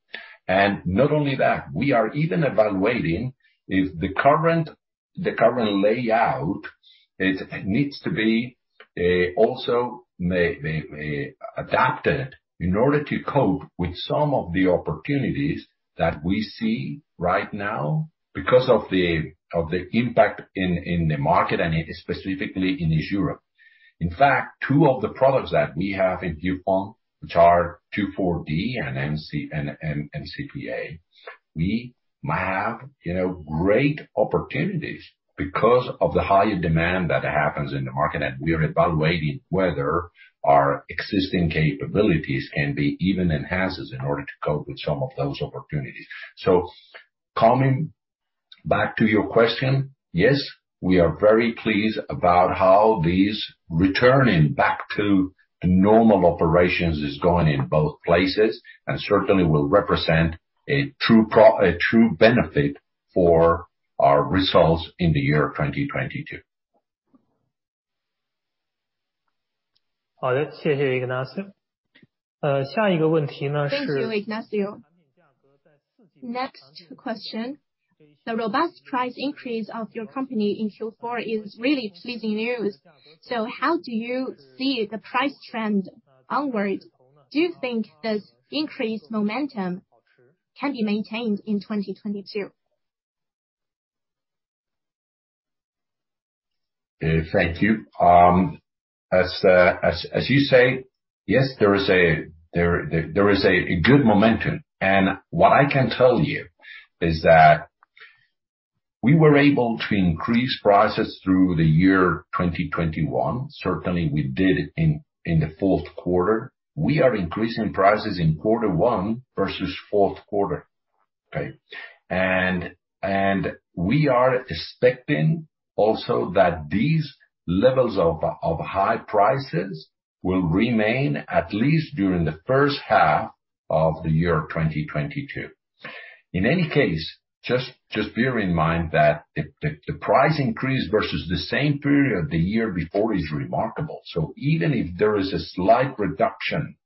B: Not only that, we are even evaluating if the current layout needs to be also adapted in order to cope with some of the opportunities that we see right now because of the impact in the market and specifically in Europe. In fact, two of the products that we have in Huifeng, which are 2,4-D and MCPA, we might have, you know, great opportunities because of the higher demand that happens in the market. We are evaluating whether our existing capabilities can be even enhanced in order to cope with some of those opportunities. Coming back to your question, yes, we are very pleased about how these returning back to normal operations is going in both places, and certainly will represent a true benefit for our results in the year 2022.
A: Thank you, Ignacio. Next question. The robust price increase of your company in Q4 is really pleasing news. How do you see the price trend onward? Do you think this increased momentum can be maintained in 2022?
B: Thank you. As you say, yes, there is a good momentum. What I can tell you is that we were able to increase prices through the year 2021. Certainly we did in the fourth quarter. We are increasing prices in quarter one versus fourth quarter, okay? We are expecting also that these levels of high prices will remain at least during the first half of the year 2022. In any case, just bear in mind that the price increase versus the same period the year before is remarkable. Even if there is a slight reduction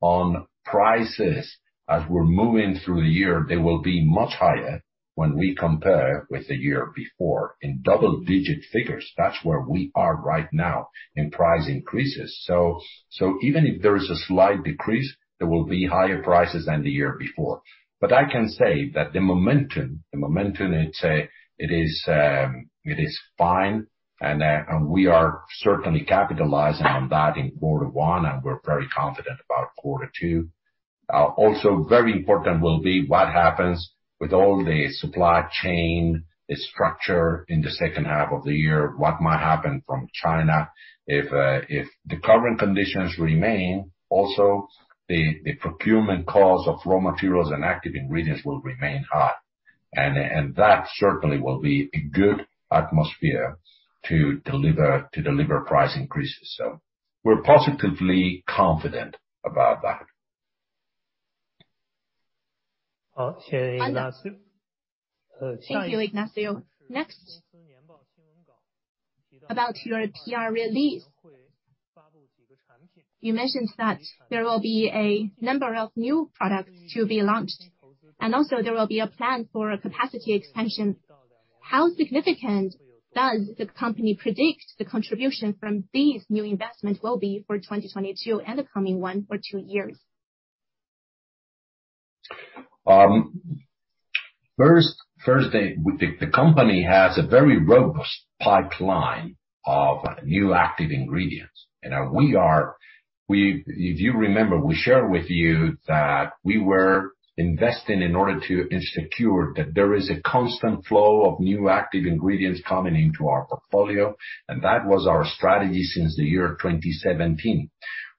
B: on prices, as we're moving through the year, they will be much higher when we compare with the year before in double-digit figures. That's where we are right now in price increases. Even if there is a slight decrease, there will be higher prices than the year before. I can say that the momentum, it is fine, and we are certainly capitalizing on that in quarter one, and we're very confident about quarter two. Also very important will be what happens with all the supply chain structure in the second half of the year, what might happen from China. If the current conditions remain, also the procurement costs of raw materials and active ingredients will remain high. That certainly will be a good atmosphere to deliver price increases. We're positively confident about that.
A: Thank you, Ignacio. Next. About your PR release. You mentioned that there will be a number of new products to be launched, and also there will be a plan for a capacity expansion. How significant does the company predict the contribution from these new investments will be for 2022 and the coming one or two years?
B: First, the company has a very robust pipeline of new active ingredients. We, if you remember, we shared with you that we were investing in order to ensure that there is a constant flow of new active ingredients coming into our portfolio. That was our strategy since the year 2017.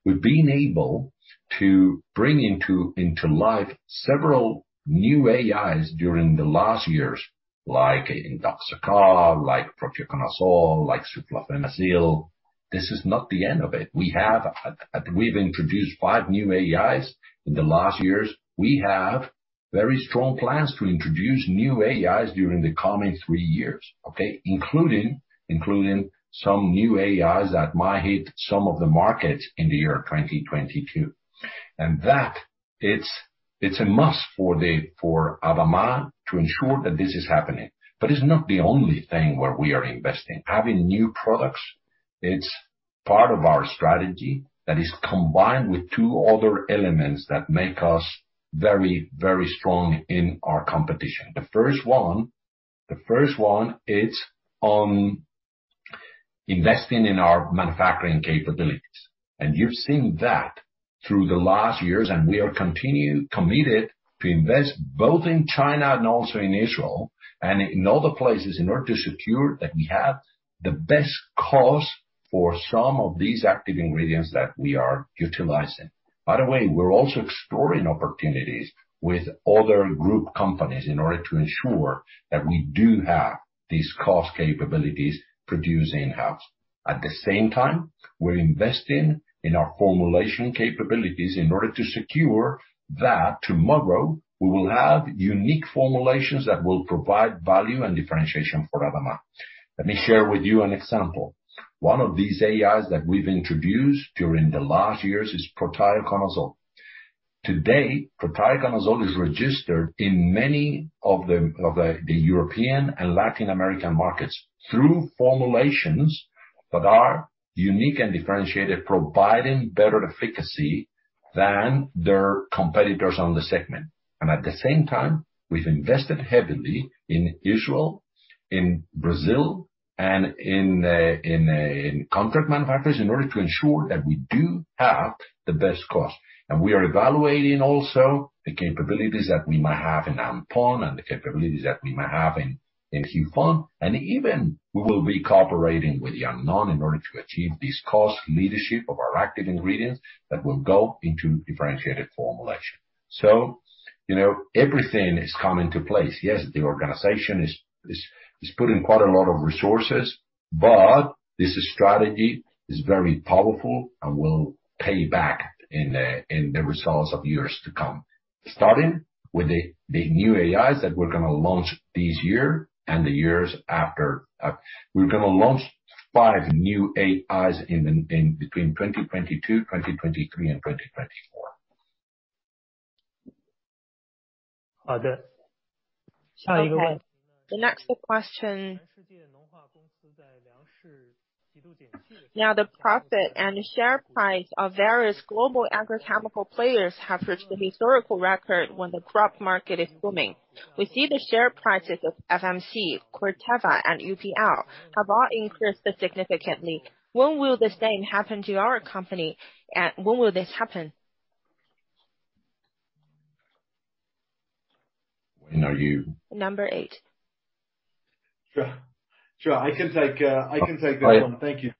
B: We've been able to bring into life several new AIs during the last years, like Indoxacarb, like Prothioconazole, like Fluxapyroxad. This is not the end of it. We've introduced five new AIs in the last years. We have very strong plans to introduce new AIs during the coming three years, okay? Including some new AIs that might hit some of the markets in the year 2022. That, it's a must for ADAMA to ensure that this is happening. It's not the only thing where we are investing. Having new products, it's part of our strategy that is combined with two other elements that make us very, very strong in our competition. The first one is investing in our manufacturing capabilities. You've seen that through the last years. We are committed to invest both in China and also in Israel and in other places in order to secure that we have the best cost for some of these active ingredients that we are utilizing. By the way, we're also exploring opportunities with other group companies in order to ensure that we do have these cost capabilities produced in-house. At the same time, we're investing in our formulation capabilities in order to secure that tomorrow we will have unique formulations that will provide value and differentiation for ADAMA. Let me share with you an example. One of these AIs that we've introduced during the last years is Prothioconazole. Today, Prothioconazole is registered in many of the European and Latin American markets through formulations that are unique and differentiated, providing better efficacy than their competitors on the segment. At the same time, we've invested heavily in Israel, in Brazil, and in contract manufacturers in order to ensure that we do have the best cost. We are evaluating also the capabilities that we might have in Anpon and the capabilities that we might have in Huifeng. Even we will be cooperating with Yangnong in order to achieve this cost leadership of our active ingredients that will go into differentiated formulation. You know, everything is coming to place. Yes, the organization is putting quite a lot of resources, but this strategy is very powerful and will pay back in the results of years to come. Starting with the new AIs that we're gonna launch this year and the years after. We're gonna launch five new AIs in between 2022, 2023 and 2024.
A: Okay. The next question. Now the profit and the share price of various global agrochemical players have reached the historical record when the crop market is booming. We see the share prices of FMC, Corteva and UPL have all increased significantly. When will the same happen to our company and when will this happen?
B: When are you-
A: Number eight.
D: Sure. I can take that one. Thank you.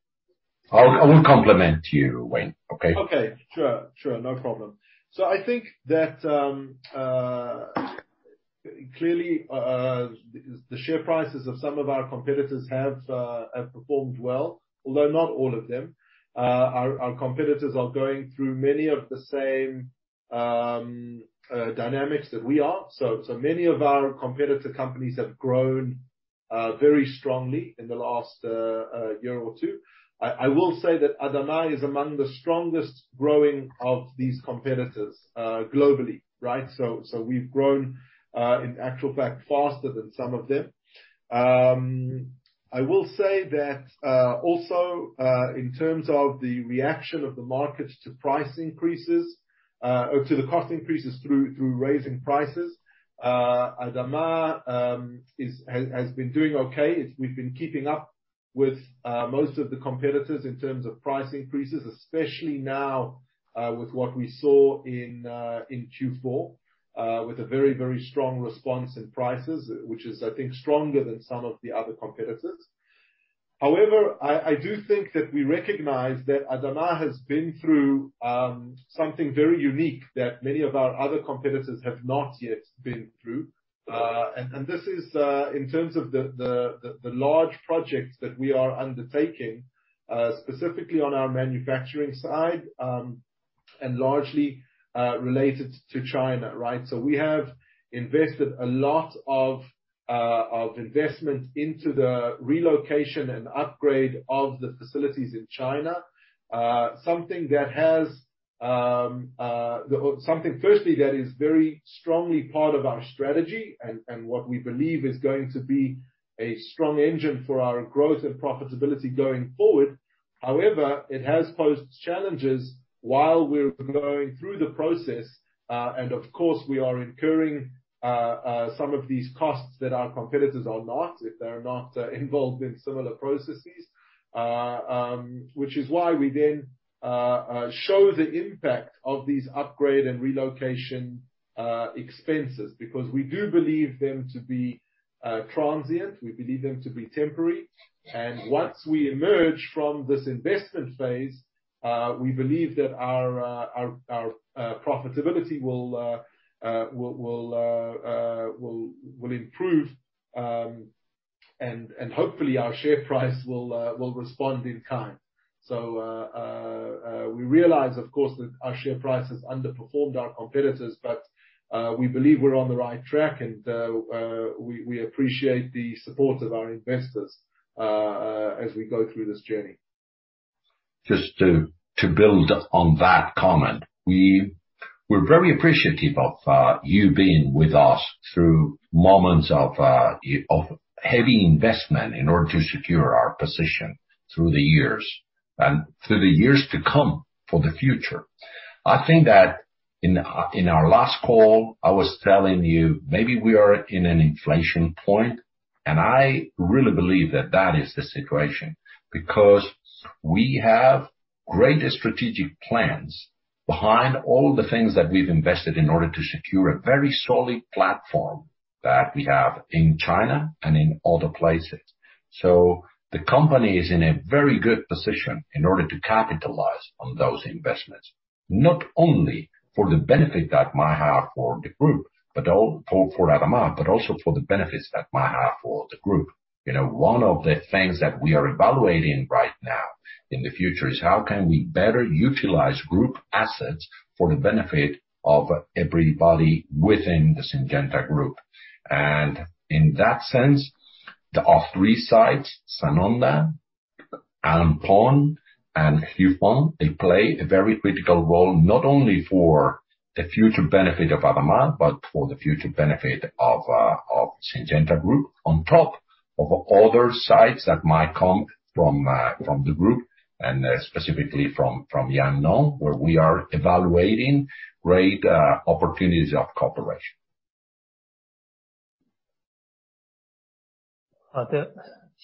B: I will compliment you, Wayne. Okay?
D: Okay. Sure. Sure. No problem. I think that clearly the share prices of some of our competitors have performed well, although not all of them. Our competitors are going through many of the same dynamics that we are. Many of our competitor companies have grown very strongly in the last year or two. I will say that ADAMA is among the strongest growing of these competitors globally, right? We've grown in actual fact faster than some of them. I will say that also in terms of the reaction of the markets to price increases or to the cost increases through raising prices, ADAMA has been doing okay. We've been keeping up with most of the competitors in terms of price increases, especially now, with what we saw in Q4, with a very, very strong response in prices, which is, I think, stronger than some of the other competitors. However, I do think that we recognize that ADAMA has been through something very unique that many of our other competitors have not yet been through. And this is in terms of the large projects that we are undertaking, specifically on our manufacturing side, and largely related to China, right? We have invested a lot of investment into the relocation and upgrade of the facilities in China. Something that has... Something, firstly, that is very strongly part of our strategy and what we believe is going to be a strong engine for our growth and profitability going forward. However, it has posed challenges while we're going through the process. Of course, we are incurring some of these costs that our competitors are not, if they're not involved in similar processes. Which is why we then show the impact of these upgrade and relocation expenses, because we do believe them to be transient. We believe them to be temporary. Once we emerge from this investment phase, we believe that our profitability will improve. Hopefully our share price will respond in kind. We realize, of course, that our share price has underperformed our competitors, but we believe we're on the right track and we appreciate the support of our investors as we go through this journey.
B: Just to build on that comment. We're very appreciative of you being with us through moments of heavy investment in order to secure our position through the years and through the years to come for the future. I think that in our last call, I was telling you, maybe we are in an inflection point, and I really believe that is the situation. Because we have great strategic plans behind all the things that we've invested in order to secure a very solid platform that we have in China and in other places. The company is in a very good position in order to capitalize on those investments, not only for the benefit that might have for the group, but for ADAMA, but also for the benefits that might have for the group. You know, one of the things that we are evaluating right now in the future is how can we better utilize group assets for the benefit of everybody within the Syngenta Group. In that sense, our three sites, Sanonda, Anpon and Huifeng, they play a very critical role, not only for the future benefit of ADAMA, but for the future benefit of Syngenta Group, on top of other sites that might come from the group and specifically from Yangnong, where we are evaluating great opportunities of cooperation.
A: Okay,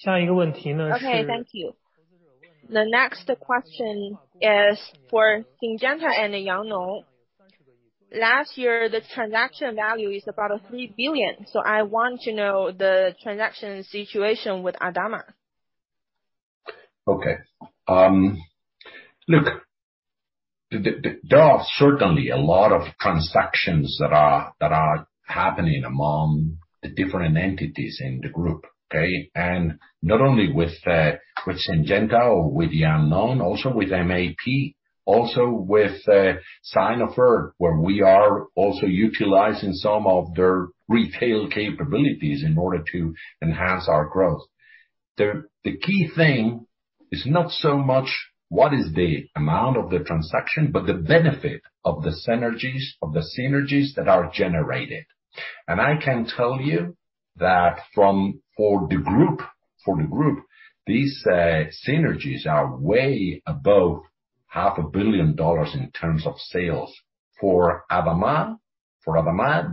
A: thank you. The next question is for Syngenta and Yangnong. Last year, the transaction value is about $3 billion. So I want to know the transaction situation with ADAMA.
B: Okay. Look, there are certainly a lot of transactions that are happening among the different entities in the group, okay? Not only with Syngenta or with Yangnong, also with MAP, also with Sinofert, where we are also utilizing some of their retail capabilities in order to enhance our growth. The key thing is not so much what is the amount of the transaction, but the benefit of the synergies that are generated. I can tell you that for the group, these synergies are way above half a billion dollars in terms of sales. For ADAMA,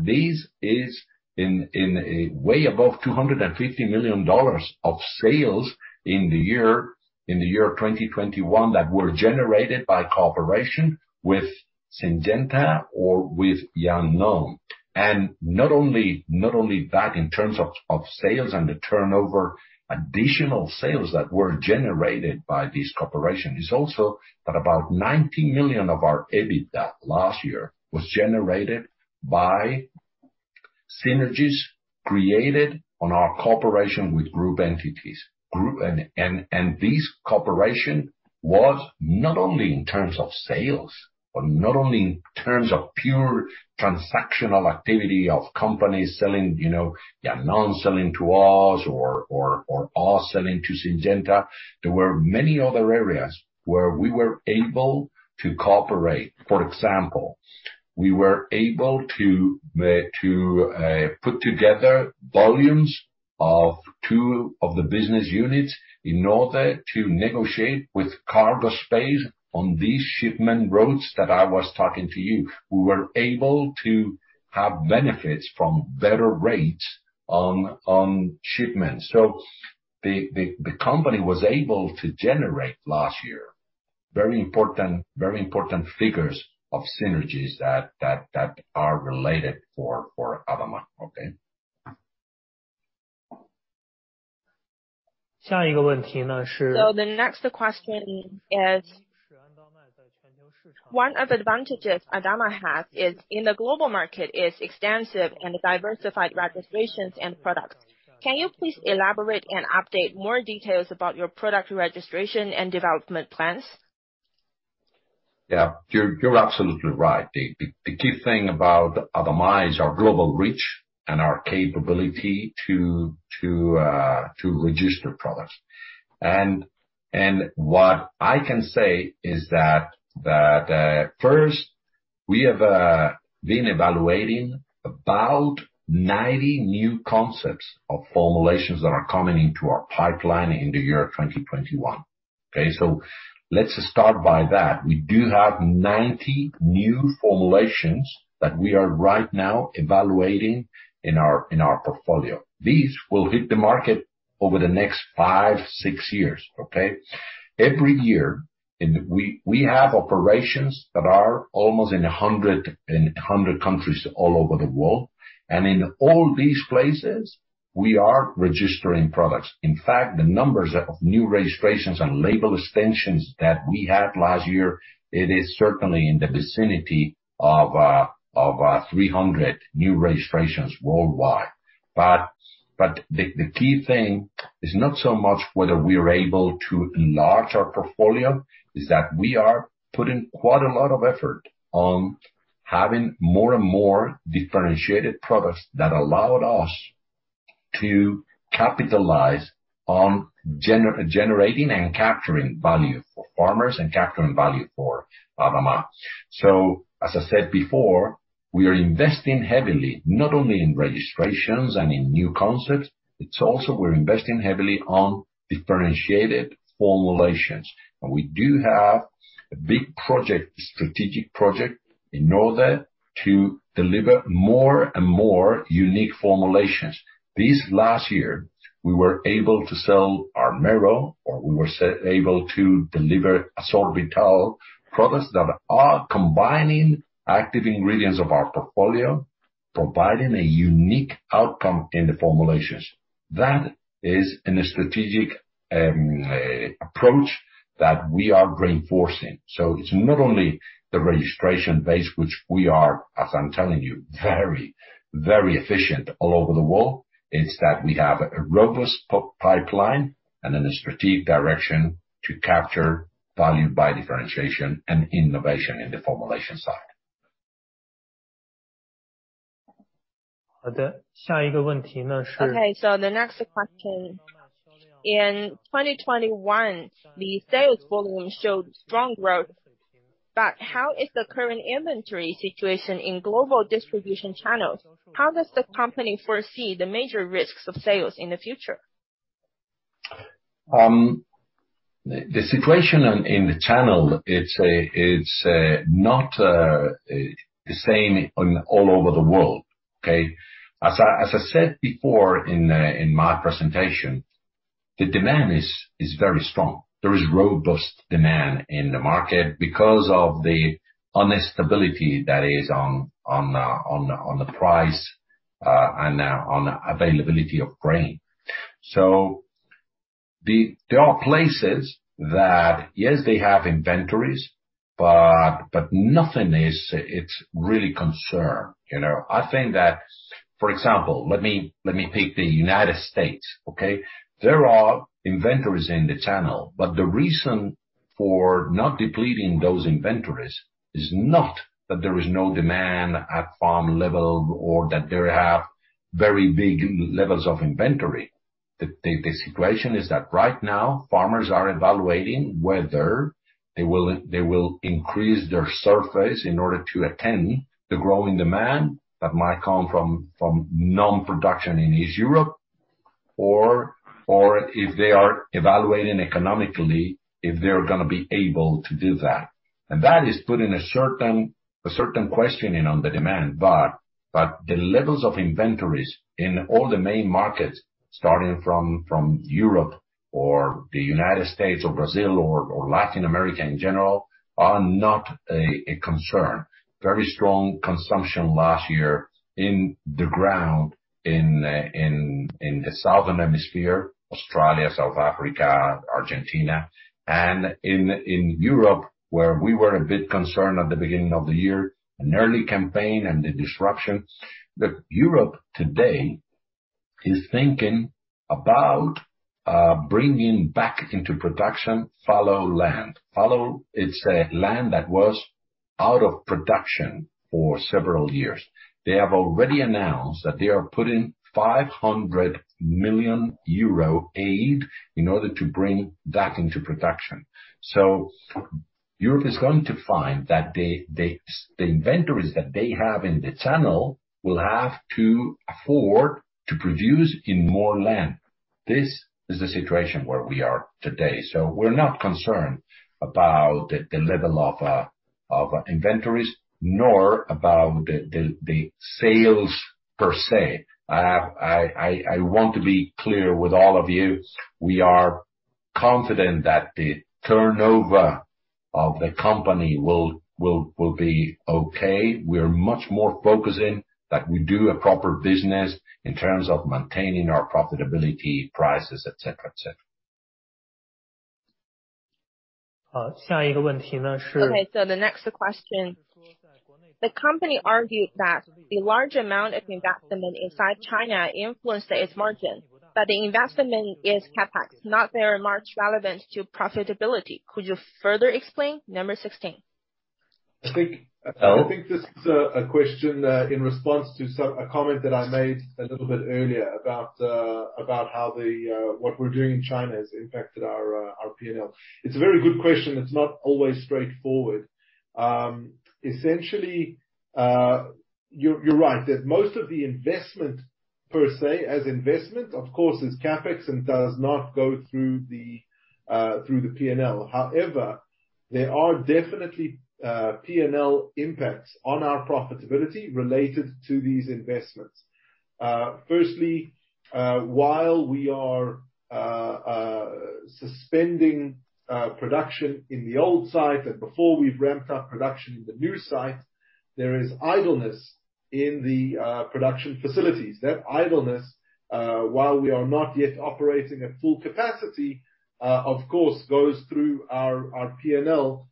B: this is way above $250 million of sales in the year 2021 that were generated by cooperation with Syngenta or with Yangnong. Not only that in terms of sales and the turnover, additional sales that were generated by this cooperation is also that about $90 million of our EBITDA last year was generated by synergies created on our cooperation with group entities. This cooperation was not only in terms of sales, not only in terms of pure transactional activity of companies selling, you know, yeah, group selling to us or us selling to Syngenta. There were many other areas where we were able to cooperate. For example, we were able to put together volumes of two of the business units in order to negotiate with cargo space on these shipment routes that I was talking to you. We were able to have benefits from better rates on shipments. The company was able to generate last year very important figures of synergies that are related to ADAMA. Okay?
A: The next question is. One of the advantages ADAMA has in the global market is extensive and diversified registrations and products. Can you please elaborate and update more details about your product registration and development plans?
B: Yeah. You're absolutely right. The key thing about ADAMA is our global reach and our capability to register products. What I can say is that first we have been evaluating about 90 new concepts of formulations that are coming into our pipeline into year 2021. Okay? Let's start by that. We do have 90 new formulations that we are right now evaluating in our portfolio. These will hit the market over the next five-six years. Okay? Every year we have operations that are almost in 100 countries all over the world. In all these places, we are registering products. In fact, the numbers of new registrations and label extensions that we had last year, it is certainly in the vicinity of 300 new registrations worldwide. But the key thing is not so much whether we are able to enlarge our portfolio, is that we are putting quite a lot of effort on having more and more differentiated products that allowed us to capitalize on generating and capturing value for farmers and capturing value for ADAMA. As I said before, we are investing heavily, not only in registrations and in new concepts, it's also we're investing heavily on differentiated formulations. We do have a big project, strategic project in order to deliver more and more unique formulations. This last year, we were able to sell ARMERO, or we were able to deliver Sorbital products that are combining active ingredients of our portfolio, providing a unique outcome in the formulations. That is a strategic approach that we are reinforcing. It's not only the registration base which we are, as I'm telling you, very, very efficient all over the world. It's that we have a robust pipeline and then a strategic direction to capture value by differentiation and innovation in the formulation side.
A: Okay. The next question. In 2021, the sales volume showed strong growth. How is the current inventory situation in global distribution channels? How does the company foresee the major risks of sales in the future?
B: The situation in the channel, it's not the same all over the world. Okay? As I said before in my presentation, the demand is very strong. There is robust demand in the market because of the instability that is on the price and on availability of grain. There are places that, yes, they have inventories, but nothing is really a concern. You know, I think that, for example, let me pick the U.S., okay? There are inventories in the channel, but the reason for not depleting those inventories is not that there is no demand at farm level or that they have very big levels of inventory. The situation is that right now farmers are evaluating whether they will increase their surface in order to attend the growing demand that might come from non-production in East Europe or if they are evaluating economically, if they're gonna be able to do that. That is putting a certain questioning on the demand. The levels of inventories in all the main markets starting from Europe or the U.S. Or Brazil or Latin America in general are not a concern. Very strong consumption last year in the ground in the southern hemisphere, Australia, South Africa, Argentina, and in Europe, where we were a bit concerned at the beginning of the year, an early campaign and the disruption. Europe today is thinking about bringing back into production fallow land. Fallow is a land that was out of production for several years. They have already announced that they are putting 500 million euro aid in order to bring that into production. Europe is going to find that the inventories that they have in the channel will have to afford to produce in more land. This is the situation where we are today. We're not concerned about the level of inventories, nor about the sales per se. I want to be clear with all of you. We are confident that the turnover of the company will be okay. We're much more focusing that we do a proper business in terms of maintaining our profitability, prices, et cetera, et cetera.
A: Okay. The next question. The company argued that the large amount of investment inside China influenced its margin, but the investment is CapEx, not very much relevant to profitability. Could you further explain? Number 16.
D: I think this is a question in response to a comment that I made a little bit earlier about what we're doing in China has impacted our P&L. It's a very good question. It's not always straightforward. Essentially, you're right, that most of the investment per se as investment, of course, is CapEx and does not go through the P&L. However, there are definitely P&L impacts on our profitability related to these investments. Firstly, while we are suspending production in the old site and before we've ramped up production in the new site, there is idleness in the production facilities. That idleness, while we are not yet operating at full capacity, of course, goes through our P&L,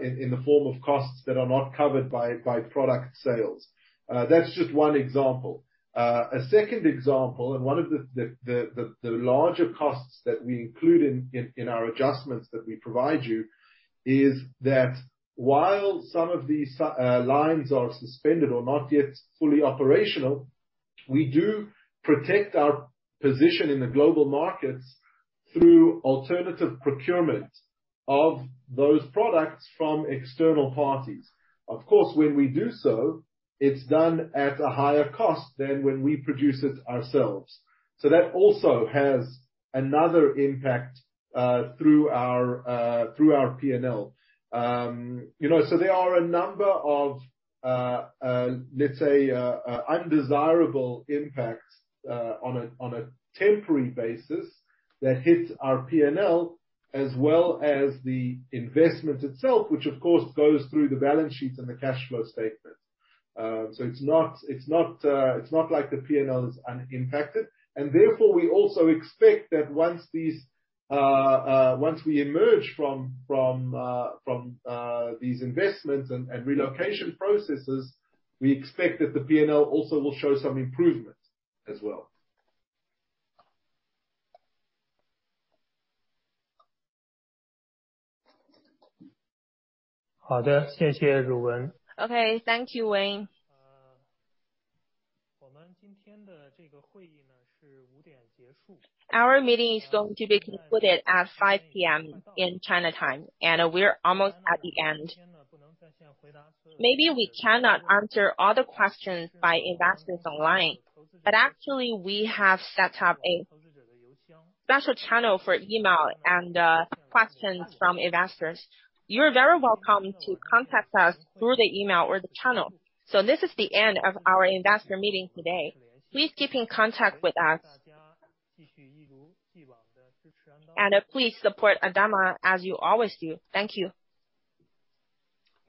D: in the form of costs that are not covered by product sales. That's just one example. A second example and one of the larger costs that we include in our adjustments that we provide you is that while some of these lines are suspended or not yet fully operational, we do protect our position in the global markets through alternative procurement of those products from external parties. Of course, when we do so, it's done at a higher cost than when we produce it ourselves. That also has another impact through our P&L. You know, there are a number of, let's say, undesirable impacts, on a temporary basis that hits our P&L as well as the investment itself, which of course goes through the balance sheets and the cash flow statement. It's not like the P&L is unimpacted. Therefore, we also expect that once we emerge from these investments and relocation processes, we expect that the P&L also will show some improvements as well.
A: Okay. Thank you, Wayne. Our meeting is going to be concluded at 5:00 P.M. China time, and we're almost at the end. Maybe we cannot answer all the questions by investors online, but actually we have set up a special channel for email and questions from investors. You're very welcome to contact us through the email or the channel. So this is the end of our investor meeting today. Please keep in contact with us. Please support ADAMA as you always do. Thank you.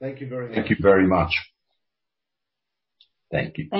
D: Thank you very much.
B: Thank you very much. Thank you.